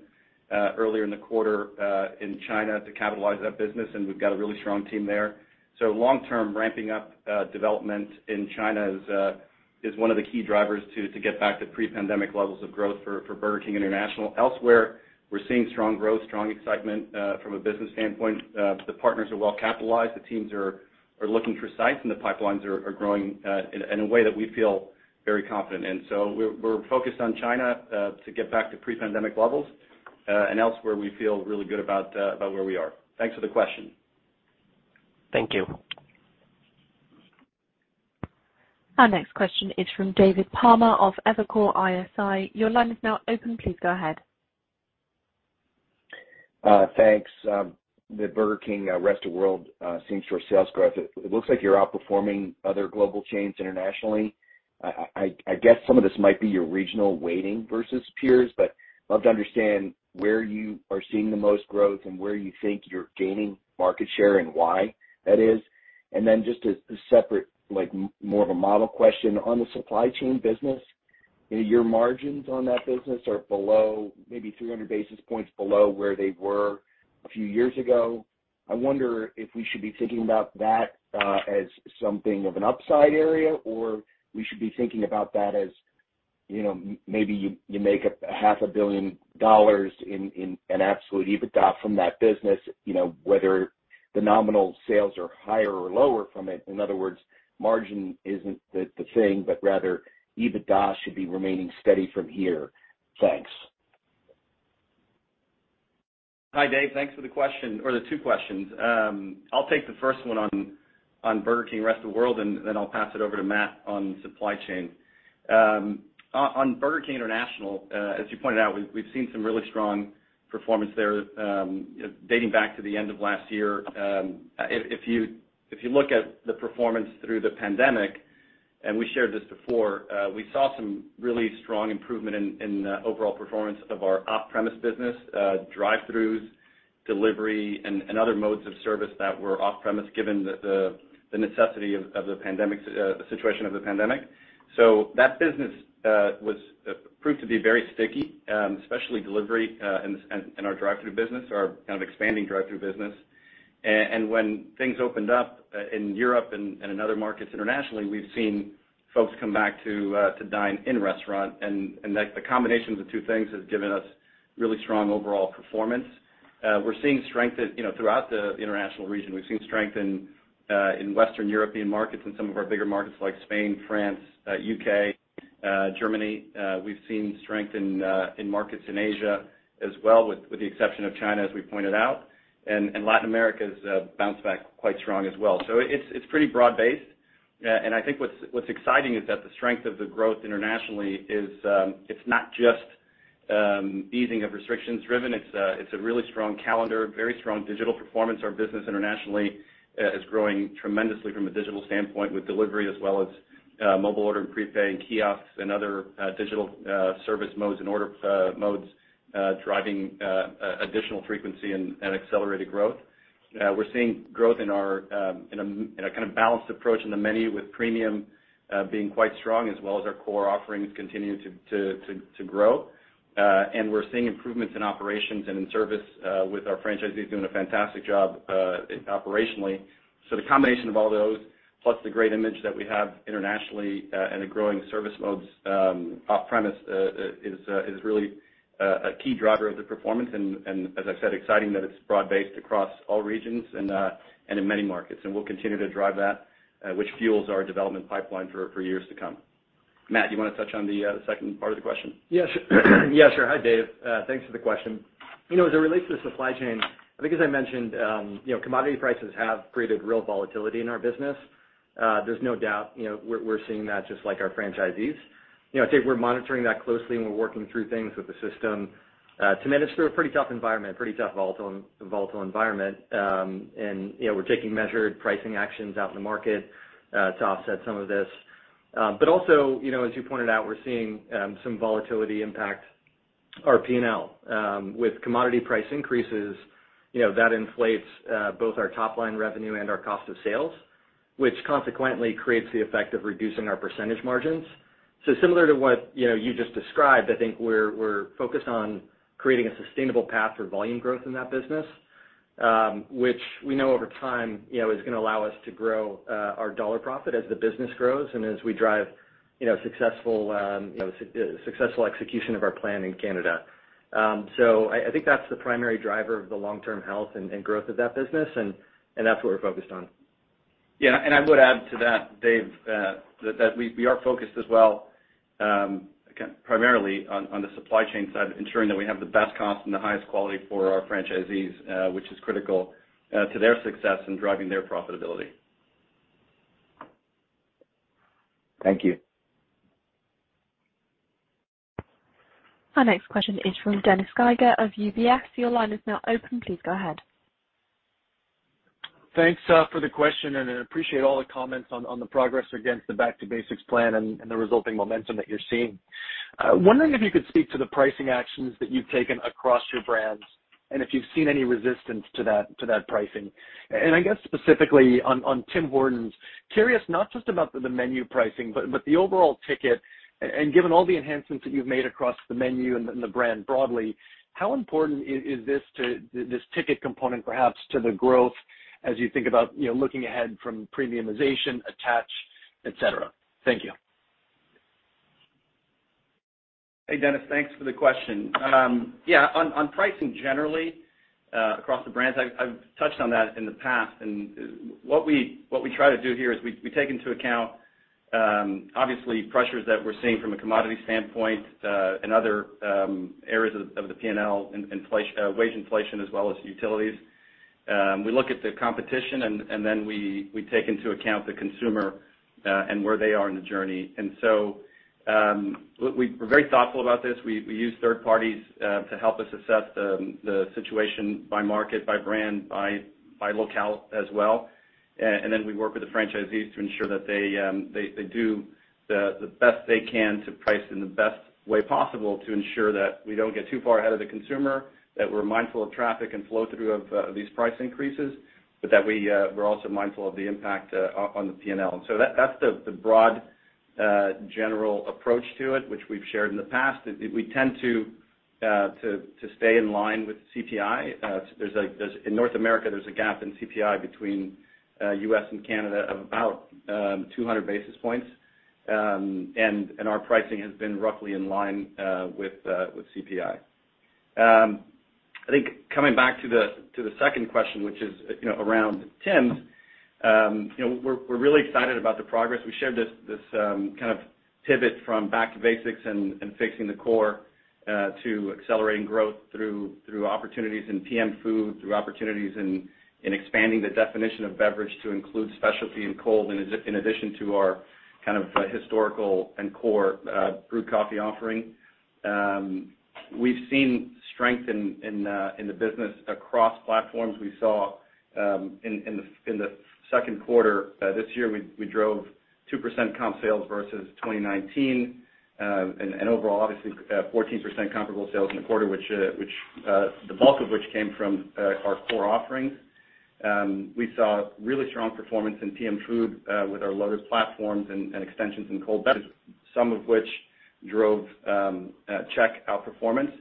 earlier in the quarter in China to capitalize that business, and we've got a really strong team there. Long term, ramping up development in China is one of the key drivers to get back to pre-pandemic levels of growth for Burger King International. Elsewhere, we're seeing strong growth, strong excitement from a business standpoint. The partners are well capitalized. The teams are looking for sites, and the pipelines are growing in a way that we feel very confident in. We're focused on China to get back to pre-pandemic levels. Elsewhere we feel really good about where we are. Thanks for the question. Thank you. Our next question is from David Palmer of Evercore ISI. Your line is now open. Please go ahead. The Burger King Rest of World same-store sales growth, it looks like you're outperforming other global chains internationally. I guess some of this might be your regional weighting versus peers, but love to understand where you are seeing the most growth and where you think you're gaining market share and why that is. Then just as a separate, like, more of a model question on the supply chain business, your margins on that business are below maybe 300 basis points below where they were a few years ago. I wonder if we should be thinking about that as something of an upside area, or we should be thinking about that as, you know, maybe you make $500 million in an absolute EBITDA from that business, you know, whether the nominal sales are higher or lower from it. In other words, margin isn't the thing, but rather EBITDA should be remaining steady from here. Thanks. Hi, Dave. Thanks for the question, or the two questions. I'll take the first one on Burger King Rest of World, and then I'll pass it over to Matt on supply chain. On Burger King International, as you pointed out, we've seen some really strong performance there, you know, dating back to the end of last year. If you look at the performance through the pandemic, and we shared this before, we saw some really strong improvement in the overall performance of our off-premise business, drive-thrus, delivery, and other modes of service that were off-premise given the necessity of the pandemic situation. That business was proved to be very sticky, especially delivery, in our drive-thru business or our kind of expanding drive-thru business. When things opened up in Europe and in other markets internationally, we've seen folks come back to dine in restaurant. The combination of the two things has given us really strong overall performance. We're seeing strength, you know, throughout the international region. We've seen strength in Western European markets and some of our bigger markets like Spain, France, U.K., Germany. We've seen strength in markets in Asia as well, with the exception of China, as we pointed out. Latin America's bounced back quite strong as well. It's pretty broad-based. I think what's exciting is that the strength of the growth internationally is, it's not just easing of restrictions driven. It's a really strong calendar, very strong digital performance. Our business internationally is growing tremendously from a digital standpoint with delivery as well as mobile order and prepay and kiosks and other digital service modes and order modes driving additional frequency and accelerated growth. We're seeing growth in our in a kind of balanced approach in the menu with premium being quite strong, as well as our core offerings continuing to grow. We're seeing improvements in operations and in service with our franchisees doing a fantastic job operationally. The combination of all those, plus the great image that we have internationally, and the growing service modes, off-premise, is really a key driver of the performance. As I said, exciting that it's broad-based across all regions and in many markets. We'll continue to drive that, which fuels our development pipeline for years to come. Matt, you wanna touch on the second part of the question? Yes. Yes, sir. Hi, Dave. Thanks for the question. You know, as it relates to the supply chain, I think as I mentioned, you know, commodity prices have created real volatility in our business. There's no doubt, you know, we're seeing that just like our franchisees. You know, Dave, we're monitoring that closely, and we're working through things with the system to manage through a pretty tough environment, pretty tough volatile environment. You know, we're taking measured pricing actions out in the market to offset some of this. As you pointed out, we're seeing some volatility impact our P&L. With commodity price increases, you know, that inflates both our top-line revenue and our cost of sales, which consequently creates the effect of reducing our percentage margins. Similar to what, you know, you just described, I think we're focused on creating a sustainable path for volume growth in that business. Which we know over time, you know, is gonna allow us to grow our dollar profit as the business grows and as we drive, you know, successful execution of our plan in Canada. I think that's the primary driver of the long-term health and growth of that business, and that's what we're focused on. Yeah. I would add to that, Dave, that we are focused as well, again, primarily on the supply chain side, ensuring that we have the best cost and the highest quality for our franchisees, which is critical to their success in driving their profitability. Thank you. Our next question is from Dennis Geiger of UBS. Your line is now open. Please go ahead. Thanks for the question, and I appreciate all the comments on the progress against the Back to Basics plan and the resulting momentum that you're seeing. Wondering if you could speak to the pricing actions that you've taken across your brands and if you've seen any resistance to that pricing. I guess specifically on Tim Hortons, curious not just about the menu pricing, but the overall ticket, and given all the enhancements that you've made across the menu and the brand broadly, how important is this ticket component perhaps to the growth as you think about, you know, looking ahead from premiumization, attach, et cetera? Thank you. Hey, Dennis. Thanks for the question. Yeah, on pricing generally across the brands, I've touched on that in the past. What we try to do here is we take into account obviously pressures that we're seeing from a commodity standpoint and other areas of the P&L, inflation, wage inflation, as well as utilities. We look at the competition and then we take into account the consumer and where they are in the journey. We're very thoughtful about this. We use third parties to help us assess the situation by market, by brand, by locale as well. Then we work with the franchisees to ensure that they do the best they can to price in the best way possible to ensure that we don't get too far ahead of the consumer, that we're mindful of traffic and flow through of these price increases, but that we're also mindful of the impact on the P&L. That's the broad general approach to it, which we've shared in the past. We tend to stay in line with CPI. In North America, there's a gap in CPI between U.S. and Canada of about 200 basis points. Our pricing has been roughly in line with CPI. I think coming back to the second question, which is, you know, around Tim's, you know, we're really excited about the progress. We shared this kind of pivot from Back to Basics and fixing the core to accelerating growth through opportunities in PM food, through opportunities in expanding the definition of beverage to include specialty and cold, in addition to our kind of historical and core brewed coffee offering. We've seen strength in the business across platforms. We saw in the second quarter this year, we drove 2% comp sales versus 2019. Overall, obviously, 14% comparable sales in the quarter, which the bulk of which came from our core offerings. We saw really strong performance in PM food with our Loaded platforms and extensions in cold beverages, some of which drove checkout performance.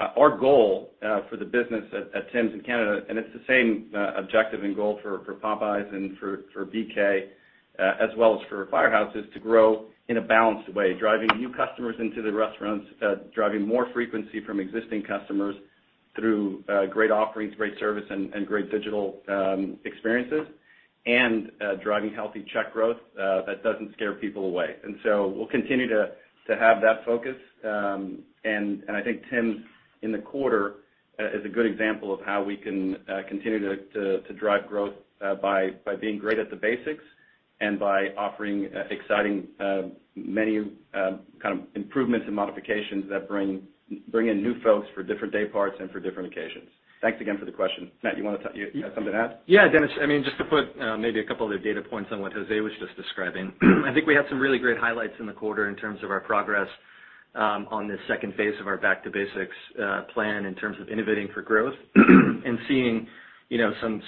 Our goal for the business at Tim's in Canada, and it's the same objective and goal for Popeyes and for BK as well as for Firehouse, is to grow in a balanced way. Driving new customers into the restaurants, driving more frequency from existing customers through great offerings, great service, and great digital experiences, and driving healthy check growth that doesn't scare people away. We'll continue to have that focus. I think Tim's in the quarter is a good example of how we can continue to drive growth by being great at the basics and by offering exciting many kind of improvements and modifications that bring in new folks for different day parts and for different occasions. Thanks again for the question. Matt, you have something to add? Yeah, Dennis. I mean, just to put maybe a couple of data points on what José was just describing. I think we had some really great highlights in the quarter in terms of our progress on this second phase of our Back to Basics plan in terms of innovating for growth. Seeing you know some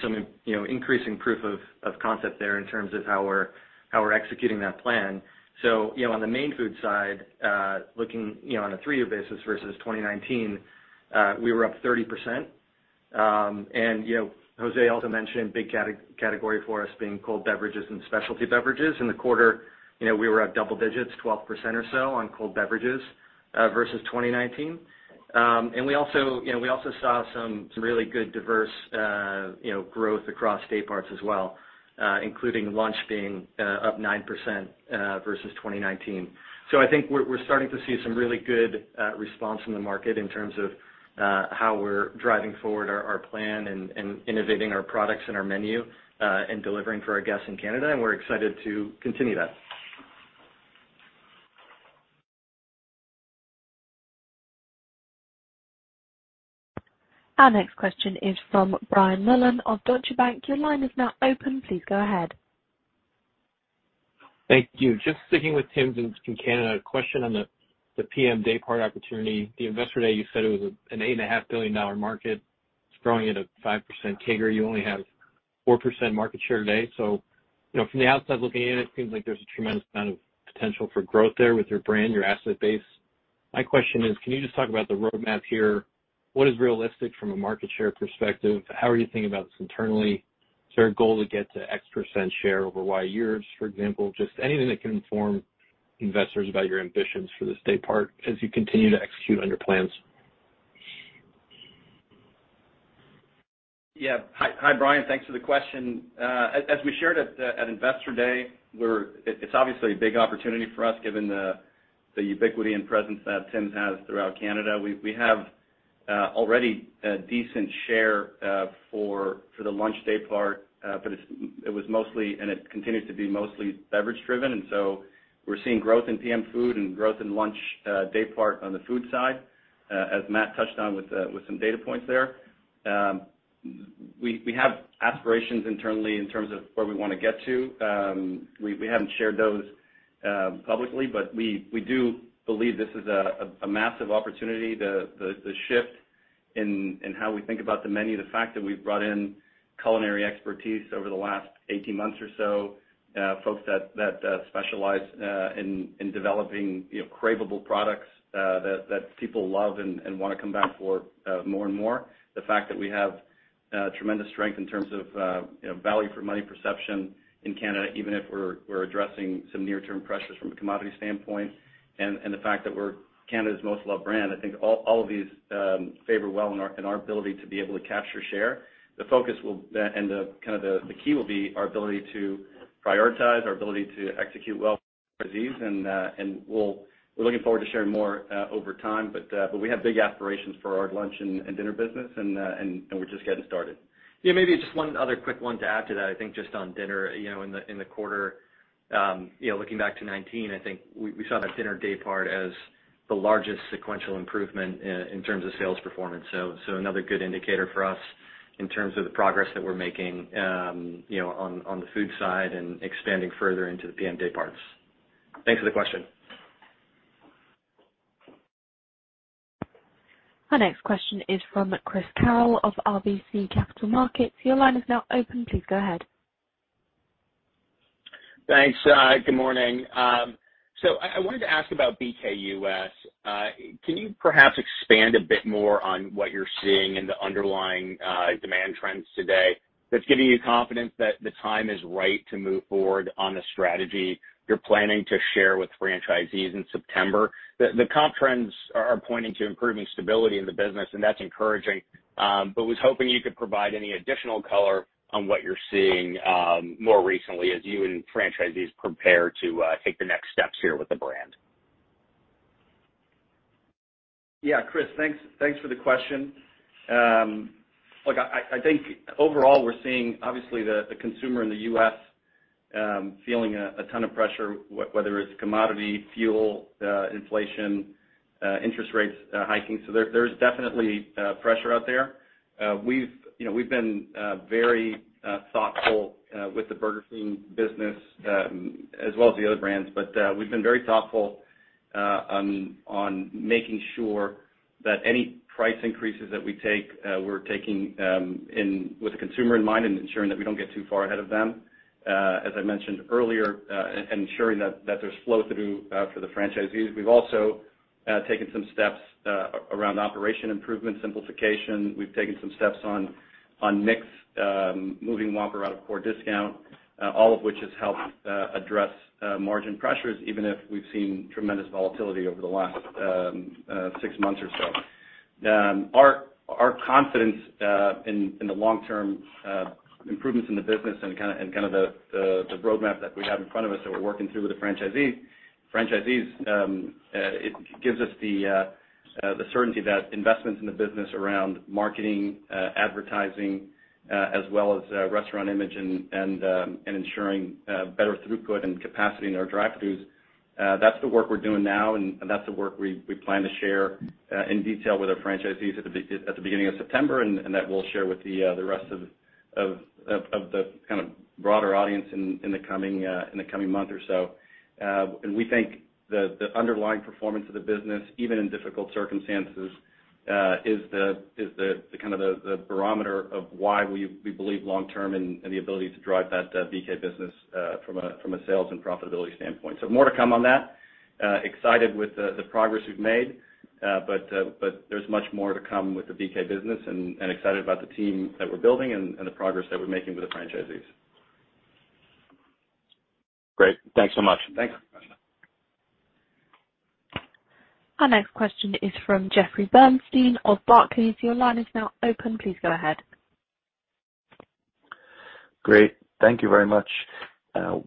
you know increasing proof of concept there in terms of how we're executing that plan. You know on the main food side looking you know on a three-year basis versus 2019 we were up 30%. You know José also mentioned big category for us being cold beverages and specialty beverages. In the quarter you know we were at double digits 12% or so on cold beverages versus 2019. We also, you know, we also saw some really good diverse, you know, growth across day parts as well, including lunch being up 9% versus 2019. I think we're starting to see some really good response from the market in terms of how we're driving forward our plan and innovating our products and our menu and delivering for our guests in Canada, and we're excited to continue that. Our next question is from Brian Mullan of Deutsche Bank. Your line is now open. Please go ahead. Thank you. Just sticking with Tim's in Canada, a question on the PM day part opportunity. The Investor Day, you said it was an $8.5 billion market. It's growing at a 5% CAGR. You only have 4% market share today. You know, from the outside looking in, it seems like there's a tremendous amount of potential for growth there with your brand, your asset base. My question is, can you just talk about the roadmap here? What is realistic from a market share perspective? How are you thinking about this internally? Is there a goal to get to X% share over Y years, for example? Just anything that can inform investors about your ambitions for this day part as you continue to execute on your plans. Yeah. Hi, Brian. Thanks for the question. As we shared at Investor Day, it's obviously a big opportunity for us given the ubiquity and presence that Tim's has throughout Canada. We have already a decent share for the lunch day part, but it was mostly, and it continues to be mostly beverage driven. We're seeing growth in PM food and growth in lunch day part on the food side, as Matt touched on with some data points there. We have aspirations internally in terms of where we wanna get to. We haven't shared those publicly, but we do believe this is a massive opportunity, the shift in how we think about the menu. The fact that we've brought in culinary expertise over the last 18 months or so, folks that specialize in developing, you know, cravable products, that people love and wanna come back for, more and more. The fact that we have tremendous strength in terms of, you know, value for money perception in Canada, even if we're addressing some near-term pressures from a commodity standpoint, and the fact that we're Canada's most loved brand, I think all of these favor well in our ability to be able to capture share. The focus will, and the kind of the key will be our ability to prioritize, our ability to execute well for these. We're looking forward to sharing more over time, but we have big aspirations for our lunch and dinner business, and we're just getting started. Yeah, maybe just one other quick one to add to that. I think just on dinner, you know, in the quarter, looking back to 2019, I think we saw that dinner day part as the largest sequential improvement in terms of sales performance. Another good indicator for us in terms of the progress that we're making, you know, on the food side and expanding further into the PM day parts. Thanks for the question. Our next question is from Chris Carril of RBC Capital Markets. Your line is now open. Please go ahead. Thanks. Good morning. So I wanted to ask about BK U.S. Can you perhaps expand a bit more on what you're seeing in the underlying demand trends today that's giving you confidence that the time is right to move forward on the strategy you're planning to share with franchisees in September? The comp trends are pointing to improving stability in the business, and that's encouraging, but was hoping you could provide any additional color on what you're seeing more recently as you and franchisees prepare to take the next steps here with the brand. Yeah, Chris, thanks for the question. Look, I think overall, we're seeing obviously the consumer in the U.S. feeling a ton of pressure, whether it's commodity, fuel, inflation, interest rates, hiking. There's definitely pressure out there. We've, you know, been very thoughtful with the Burger King business as well as the other brands. We've been very thoughtful on making sure that any price increases that we take, we're taking with the consumer in mind and ensuring that we don't get too far ahead of them. As I mentioned earlier, ensuring that there's flow through for the franchisees. We've also taken some steps around operation improvement simplification. We've taken some steps on mix, moving Whopper out of core discount, all of which has helped address margin pressures, even if we've seen tremendous volatility over the last six months or so. Our confidence in the long-term improvements in the business and kind of the roadmap that we have in front of us that we're working through with the franchisees, it gives us the certainty that investments in the business around marketing, advertising, as well as restaurant image and ensuring better throughput and capacity in our drive-thrus, that's the work we're doing now, and that's the work we plan to share in detail with our franchisees at the beginning of September, and that we'll share with the rest of the kind of broader audience in the coming month or so. We think the underlying performance of the business, even in difficult circumstances, is the barometer of why we believe long term in the ability to drive that BK business from a sales and profitability standpoint. More to come on that. Excited with the progress we've made, but there's much more to come with the BK business and excited about the team that we're building and the progress that we're making with the franchisees. Great. Thanks so much. Thanks. Our next question is from Jeffrey Bernstein of Barclays. Your line is now open. Please go ahead. Great. Thank you very much.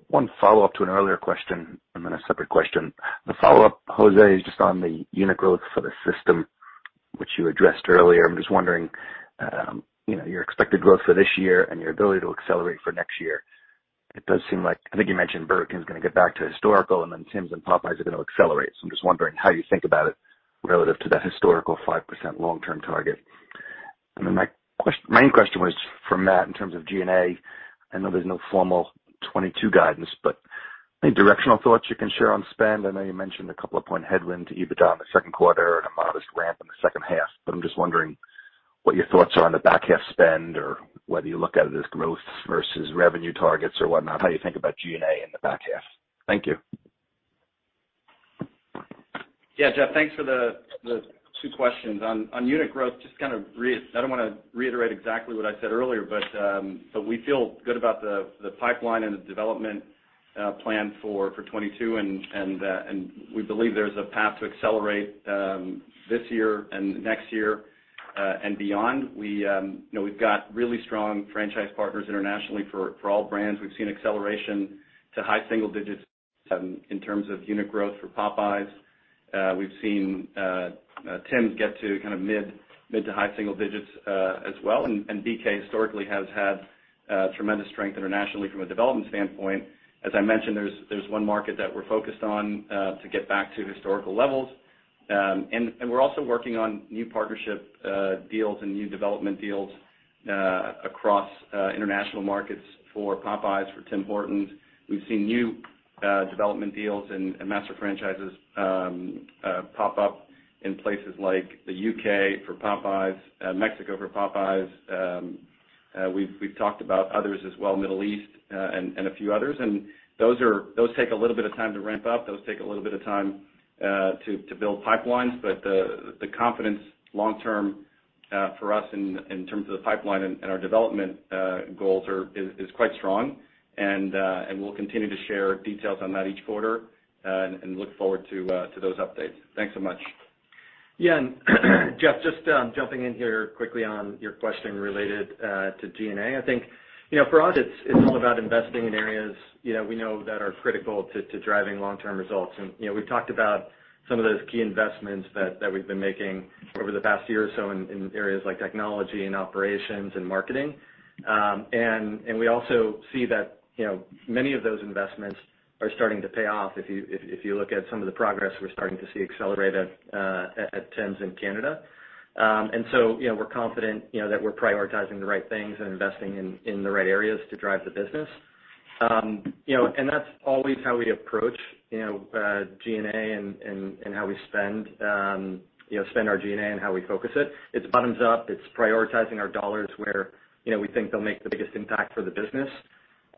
One follow-up to an earlier question and then a separate question. The follow-up, José, is just on the unit growth for the system, which you addressed earlier. I'm just wondering, you know, your expected growth for this year and your ability to accelerate for next year. It does seem like I think you mentioned Burger King's gonna get back to historical and then Tim's and Popeyes are gonna accelerate. I'm just wondering how you think about it relative to that historical 5% long-term target. My main question was for Matt in terms of G&A. I know there's no formal 2022 guidance, but any directional thoughts you can share on spend? I know you mentioned a couple points headwind to EBITDA in the second quarter and a modest ramp in the second half, but I'm just wondering What are your thoughts on the back half spend, or whether you look at it as growth versus revenue targets or whatnot, how you think about G&A in the back half? Thank you. Yeah. Jeff, thanks for the two questions. On unit growth, just to kind of, I don't wanna reiterate exactly what I said earlier, but we feel good about the pipeline and the development plan for 2022, and we believe there's a path to accelerate this year and next year and beyond. You know, we've got really strong franchise partners internationally for all brands. We've seen acceleration to high single digits in terms of unit growth for Popeyes. We've seen Tim get to kind of mid to high single digits as well. BK historically has had tremendous strength internationally from a development standpoint. As I mentioned, there's one market that we're focused on to get back to historical levels. We're also working on new partnership deals and new development deals across international markets for Popeyes, for Tim Hortons. We've seen new development deals and master franchises pop up in places like the U.K. for Popeyes, Mexico for Popeyes. We've talked about others as well, Middle East, and a few others. Those take a little bit of time to ramp up. Those take a little bit of time to build pipelines. The confidence long term for us in terms of the pipeline and our development goals is quite strong. We'll continue to share details on that each quarter and look forward to those updates. Thanks so much. Yeah. Jeff, just jumping in here quickly on your question related to G&A. I think, you know, for us it's all about investing in areas, you know, we know that are critical to driving long-term results. You know, we've talked about some of those key investments that we've been making over the past year or so in areas like technology and operations and marketing. We also see that, you know, many of those investments are starting to pay off if you look at some of the progress we're starting to see accelerate at Tim's in Canada. You know, we're confident, you know, that we're prioritizing the right things and investing in the right areas to drive the business. You know, that's always how we approach G&A and how we spend our G&A and how we focus it. It's bottoms up. It's prioritizing our dollars where we think they'll make the biggest impact for the business.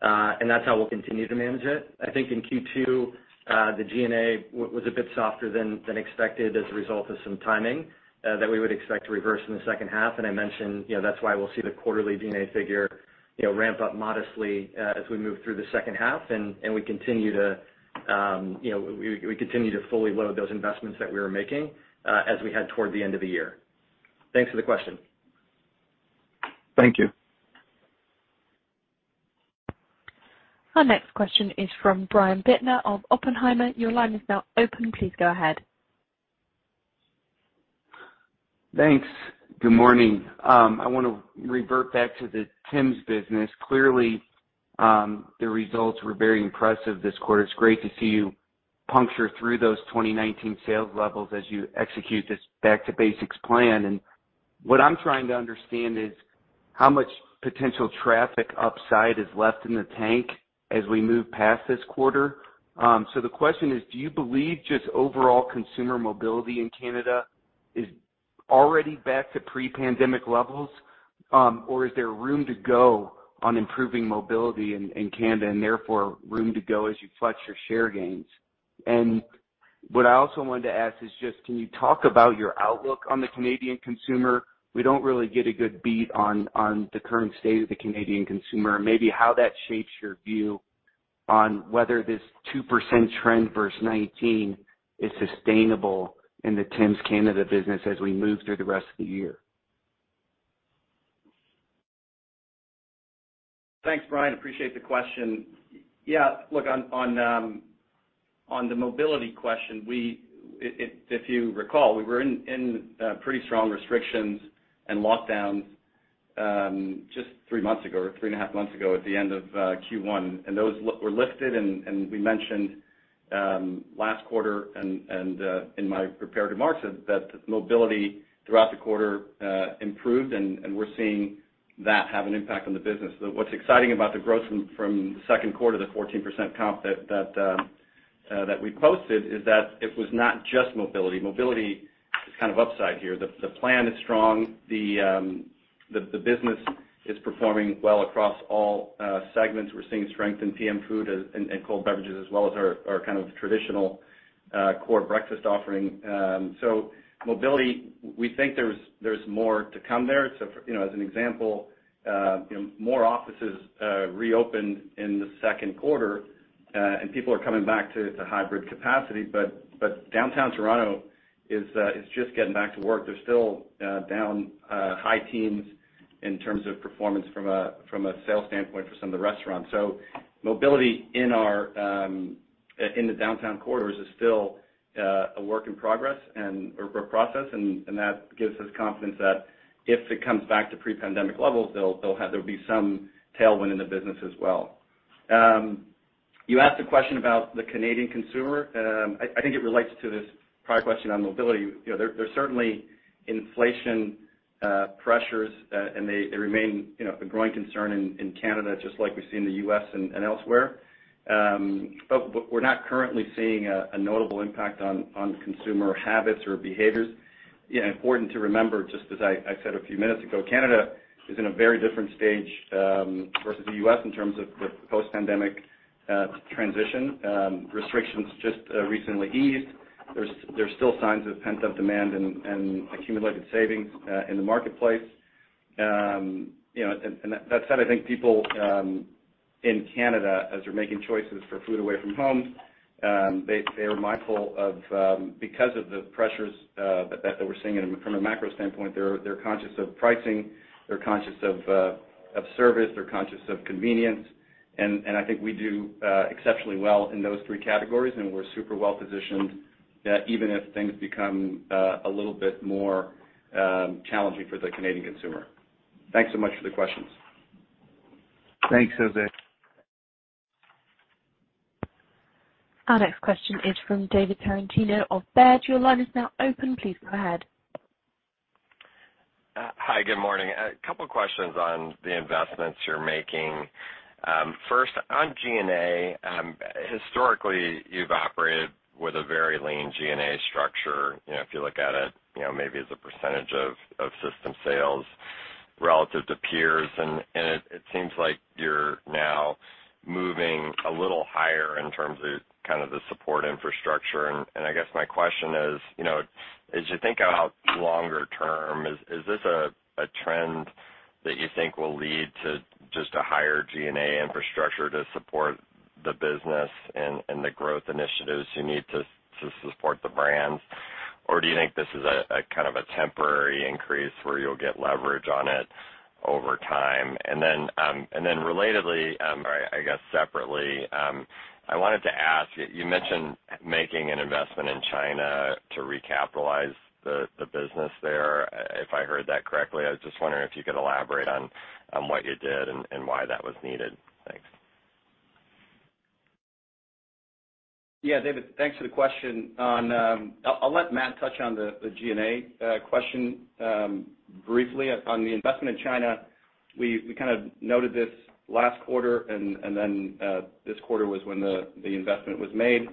That's how we'll continue to manage it. I think in Q2, the G&A was a bit softer than expected as a result of some timing that we would expect to reverse in the second half. I mentioned that's why we'll see the quarterly G&A figure ramp up modestly as we move through the second half, and we continue to fully load those investments that we were making as we head toward the end of the year. Thanks for the question. Thank you. Our next question is from Brian Bittner of Oppenheimer. Your line is now open. Please go ahead. Thanks. Good morning. I wanna revert back to the Tim's business. Clearly, the results were very impressive this quarter. It's great to see you punch through those 2019 sales levels as you execute this Back to Basics plan. What I'm trying to understand is how much potential traffic upside is left in the tank as we move past this quarter. The question is, do you believe just overall consumer mobility in Canada is already back to pre-pandemic levels, or is there room to go on improving mobility in Canada and therefore room to go as you flex your share gains? What I also wanted to ask is just can you talk about your outlook on the Canadian consumer? We don't really get a good beat on the current state of the Canadian consumer, and maybe how that shapes your view on whether this 2% trend versus 2019 is sustainable in the Tim's Canada business as we move through the rest of the year. Thanks, Brian. Appreciate the question. Yeah. Look, on the mobility question, if you recall, we were in pretty strong restrictions and lockdowns just three months ago, or 3.5 months ago at the end of Q1. Those were lifted, and we mentioned last quarter and in my prepared remarks that mobility throughout the quarter improved, and we're seeing that have an impact on the business. What's exciting about the growth from the second quarter, the 14% comp that we posted is that it was not just mobility. Mobility is kind of upside here. The plan is strong. The business is performing well across all segments. We're seeing strength in PM food in cold beverages as well as our kind of traditional core breakfast offering. Mobility, we think there's more to come there. You know, as an example, more offices reopened in the second quarter, and people are coming back to hybrid capacity. Downtown Toronto is just getting back to work. They're still down high teens in terms of performance from a sales standpoint for some of the restaurants. Mobility in our Downtown corridors is still a work in progress or process, and that gives us confidence that if it comes back to pre-pandemic levels, there'll be some tailwind in the business as well. You asked a question about the Canadian consumer. I think it relates to this prior question on mobility. You know, there's certainly inflation pressures, and they remain, you know, a growing concern in Canada, just like we've seen in the U.S. and elsewhere. We're not currently seeing a notable impact on consumer habits or behaviors. Yeah, important to remember, just as I said a few minutes ago, Canada is in a very different stage versus the U.S. in terms of the post-pandemic transition. Restrictions just recently eased. There's still signs of pent-up demand and accumulated savings in the marketplace. You know, that said, I think people in Canada, as they're making choices for food away from home, they are mindful of, because of the pressures that they're seeing from a macro standpoint, they're conscious of pricing, they're conscious of service, they're conscious of convenience. I think we do exceptionally well in those three categories, and we're super well positioned that even if things become a little bit more challenging for the Canadian consumer. Thanks so much for the questions. Thanks, José. Our next question is from David Tarantino of Baird. Your line is now open. Please go ahead. Hi, good morning. A couple questions on the investments you're making. First, on G&A, historically, you've operated with a very lean G&A structure. You know, if you look at it, you know, maybe as a percentage of system sales relative to peers, and it seems like you're now moving a little higher in terms of kind of the support infrastructure. I guess my question is, you know, as you think out longer term, is this a trend that you think will lead to just a higher G&A infrastructure to support the business and the growth initiatives you need to support the brands? Or do you think this is a kind of a temporary increase where you'll get leverage on it over time? Relatedly, or I guess separately, I wanted to ask, you mentioned making an investment in China to recapitalize the business there, if I heard that correctly. I was just wondering if you could elaborate on what you did and why that was needed? Thanks. Yeah, David, thanks for the question. I'll let Matt touch on the G&A question briefly. On the investment in China, we kind of noted this last quarter, and then this quarter was when the investment was made.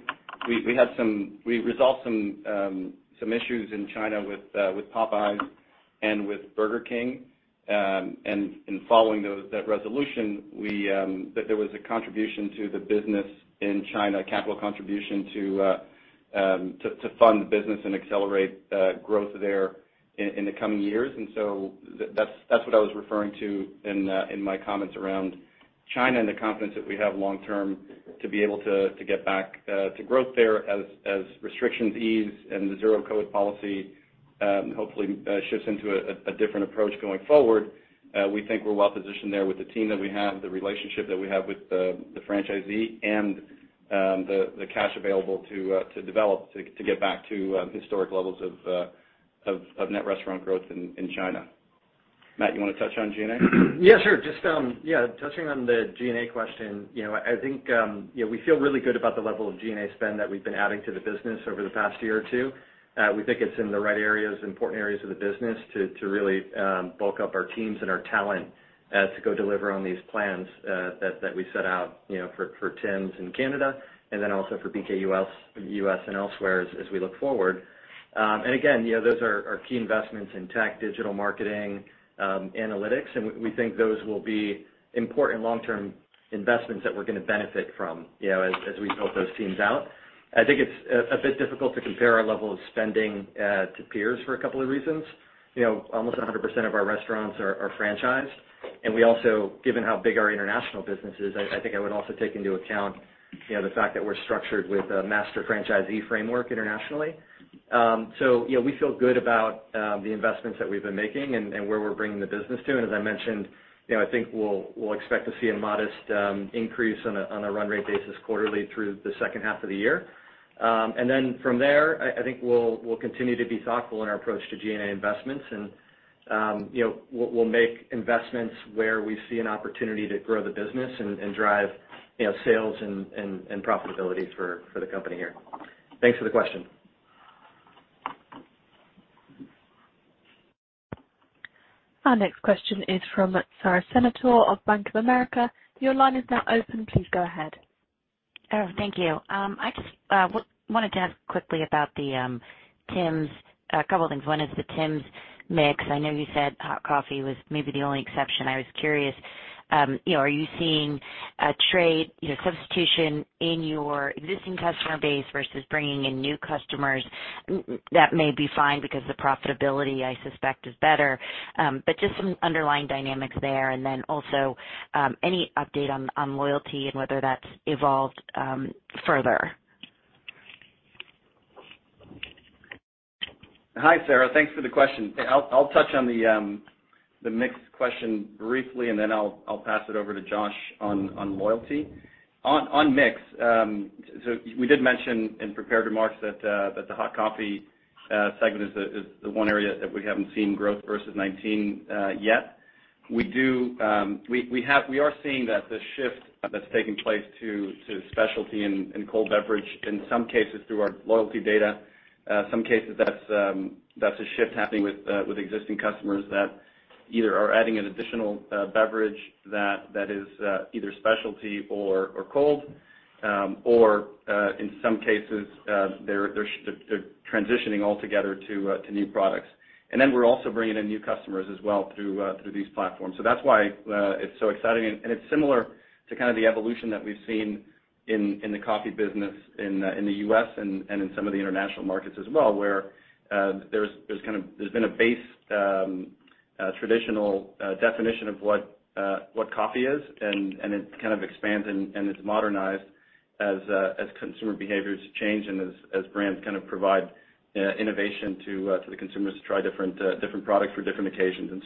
We resolved some issues in China with Popeyes and with Burger King. In following that resolution, we that there was a contribution to the business in China, capital contribution to fund the business and accelerate growth there in the coming years. That's what I was referring to in my comments around China and the confidence that we have long term to be able to get back to growth there as restrictions ease and the Zero-COVID policy hopefully shifts into a different approach going forward. We think we're well positioned there with the team that we have, the relationship that we have with the franchisee, and the cash available to develop, to get back to historic levels of net restaurant growth in China. Matt, you wanna touch on G&A? Yeah, sure. Just, yeah, touching on the G&A question. You know, I think, we feel really good about the level of G&A spend that we've been adding to the business over the past year or two. We think it's in the right areas, important areas of the business to really bulk up our teams and our talent, to go deliver on these plans, that we set out, you know, for Tim's in Canada and then also for BK U.S., U.S. and elsewhere as we look forward. Again, you know, those are key investments in tech, digital marketing, analytics, and we think those will be important long-term investments that we're gonna benefit from, you know, as we build those teams out. I think it's a bit difficult to compare our level of spending to peers for a couple of reasons. You know, almost 100% of our restaurants are franchised, and we also, given how big our international business is, I think I would also take into account, you know, the fact that we're structured with a master franchisee framework internationally. So, you know, we feel good about the investments that we've been making and where we're bringing the business to. As I mentioned, you know, I think we'll expect to see a modest increase on a run rate basis quarterly through the second half of the year. From there, I think we'll continue to be thoughtful in our approach to G&A investments and, you know, we'll make investments where we see an opportunity to grow the business and profitability for the company here. Thanks for the question. Our next question is from Sara Senatore of Bank of America. Your line is now open. Please go ahead. Oh, thank you. I just wanted to ask quickly about the Tim's, a couple things. One is the Tim's mix. I know you said hot coffee was maybe the only exception. I was curious, you know, are you seeing a trade, you know, substitution in your existing customer base versus bringing in new customers that may be fine because the profitability, I suspect, is better? But just some underlying dynamics there. Also, any update on loyalty and whether that's evolved further? Hi, Sara. Thanks for the question. I'll touch on the mix question briefly, and then I'll pass it over to Josh on loyalty. On mix, we did mention in prepared remarks that the hot coffee segment is the one area that we haven't seen growth versus 2019 yet. We are seeing that the shift that's taking place to specialty and cold beverage, in some cases through our loyalty data, some cases that's a shift happening with existing customers that either are adding an additional beverage that is either specialty or cold, or in some cases, they're transitioning altogether to new products. We're also bringing in new customers as well through these platforms. That's why it's so exciting and it's similar to kind of the evolution that we've seen in the coffee business in the U.S. and in some of the international markets as well, where there's been a base traditional definition of what coffee is, and it's kind of expanded and it's modernized as consumer behaviors change and as brands kind of provide innovation to the consumers to try different products for different occasions.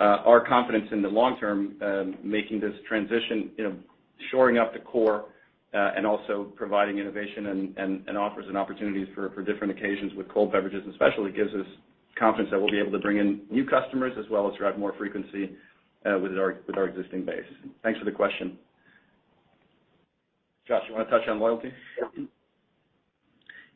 Our confidence in the long term, making this transition, you know, shoring up the core, and also providing innovation and offers and opportunities for different occasions with cold beverages especially, gives us confidence that we'll be able to bring in new customers as well as drive more frequency, with our existing base. Thanks for the question. Josh, you wanna touch on loyalty?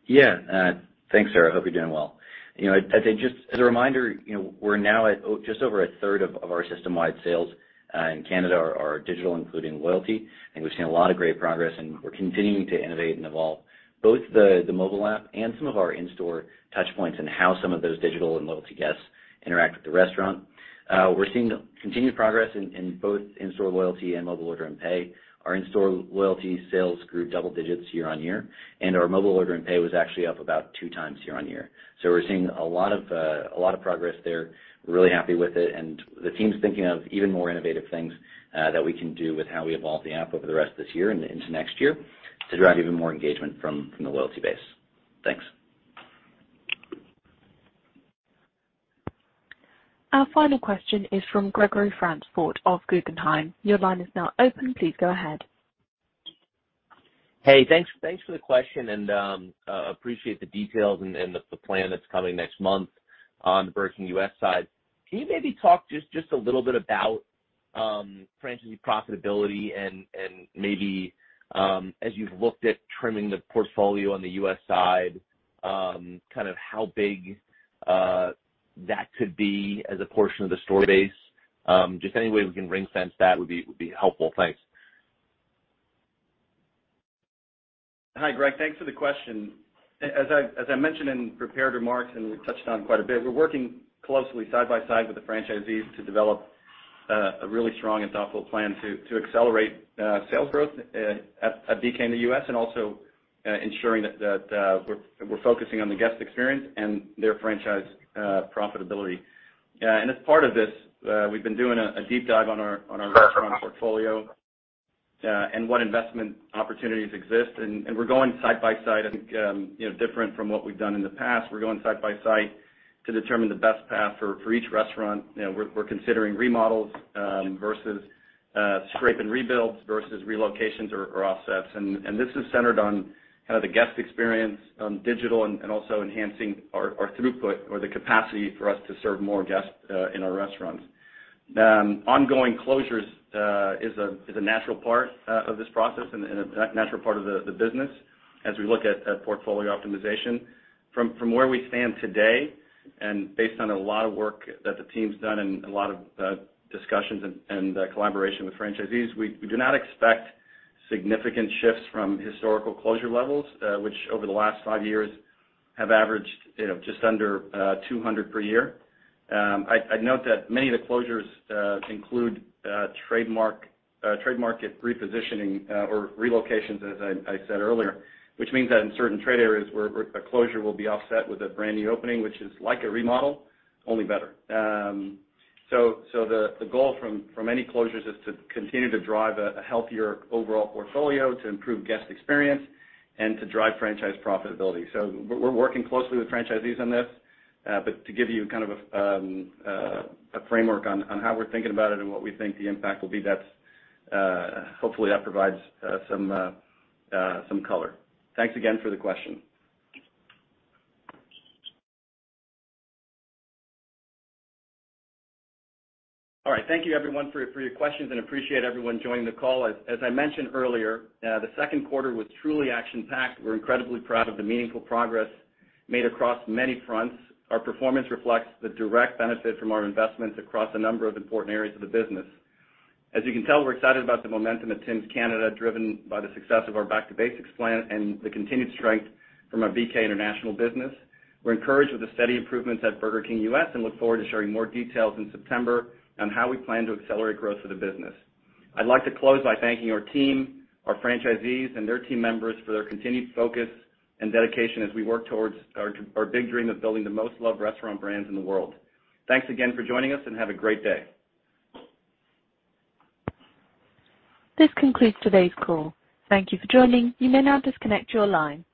Yeah. Thanks, Sara. Hope you're doing well. You know, I'd say just as a reminder, you know, we're now at just over 1/3 of our system-wide sales in Canada are digital, including loyalty. We've seen a lot of great progress, and we're continuing to innovate and evolve both the mobile app and some of our in-store touch points and how some of those digital and loyalty guests interact with the restaurant. We're seeing continued progress in both in-store loyalty and mobile order and pay. Our in-store loyalty sales grew double digits year-over-year, and our mobile order and pay was actually up about two times year-over-year. We're seeing a lot of progress there. We're really happy with it, and the team's thinking of even more innovative things, that we can do with how we evolve the app over the rest of this year and into next year to drive even more engagement from the loyalty base. Thanks. Our final question is from Gregory Francfort of Guggenheim. Your line is now open. Please go ahead. Hey, thanks. Thanks for the question and appreciate the details and the plan that's coming next month on the Burger King U.S. side. Can you maybe talk just a little bit about franchisee profitability and maybe as you've looked at trimming the portfolio on the U.S. side, kind of how big that could be as a portion of the store base? Just any way we can ring fence that would be helpful. Thanks. Hi, Greg. Thanks for the question. As I mentioned in prepared remarks, and we've touched on quite a bit, we're working closely side by side with the franchisees to develop a really strong and thoughtful plan to accelerate sales growth at BK in the U.S. and also ensuring that we're focusing on the guest experience and their franchise profitability. As part of this, we've been doing a deep dive on our restaurant portfolio and what investment opportunities exist. We're going site by site and you know, different from what we've done in the past. We're going site by site to determine the best path for each restaurant. You know, we're considering remodels versus scrape and rebuilds versus relocations or offsets. This is centered on kind of the guest experience, on digital and also enhancing our throughput or the capacity for us to serve more guests in our restaurants. Ongoing closures is a natural part of this process and a natural part of the business as we look at portfolio optimization. From where we stand today and based on a lot of work that the team's done and a lot of discussions and collaboration with franchisees, we do not expect significant shifts from historical closure levels, which over the last five years have averaged, you know, just under 200 per year. I'd note that many of the closures include trade area repositioning or relocations, as I said earlier, which means that in certain trade areas where a closure will be offset with a brand-new opening, which is like a remodel, only better. The goal from any closures is to continue to drive a healthier overall portfolio to improve guest experience and to drive franchise profitability. We're working closely with franchisees on this. To give you kind of a framework on how we're thinking about it and what we think the impact will be, that's hopefully that provides some color. Thanks again for the question. All right. Thank you everyone for your questions and appreciate everyone joining the call. As I mentioned earlier, the second quarter was truly action-packed. We're incredibly proud of the meaningful progress made across many fronts. Our performance reflects the direct benefit from our investments across a number of important areas of the business. As you can tell, we're excited about the momentum at Tim's Canada, driven by the success of our Back to Basics plan and the continued strength from our BK International business. We're encouraged with the steady improvements at Burger King U.S. and look forward to sharing more details in September on how we plan to accelerate growth for the business. I'd like to close by thanking our team, our franchisees, and their team members for their continued focus and dedication as we work towards our big dream of building the most loved restaurant brands in the world. Thanks again for joining us, and have a great day. This concludes today's call. Thank you for joining. You may now disconnect your line.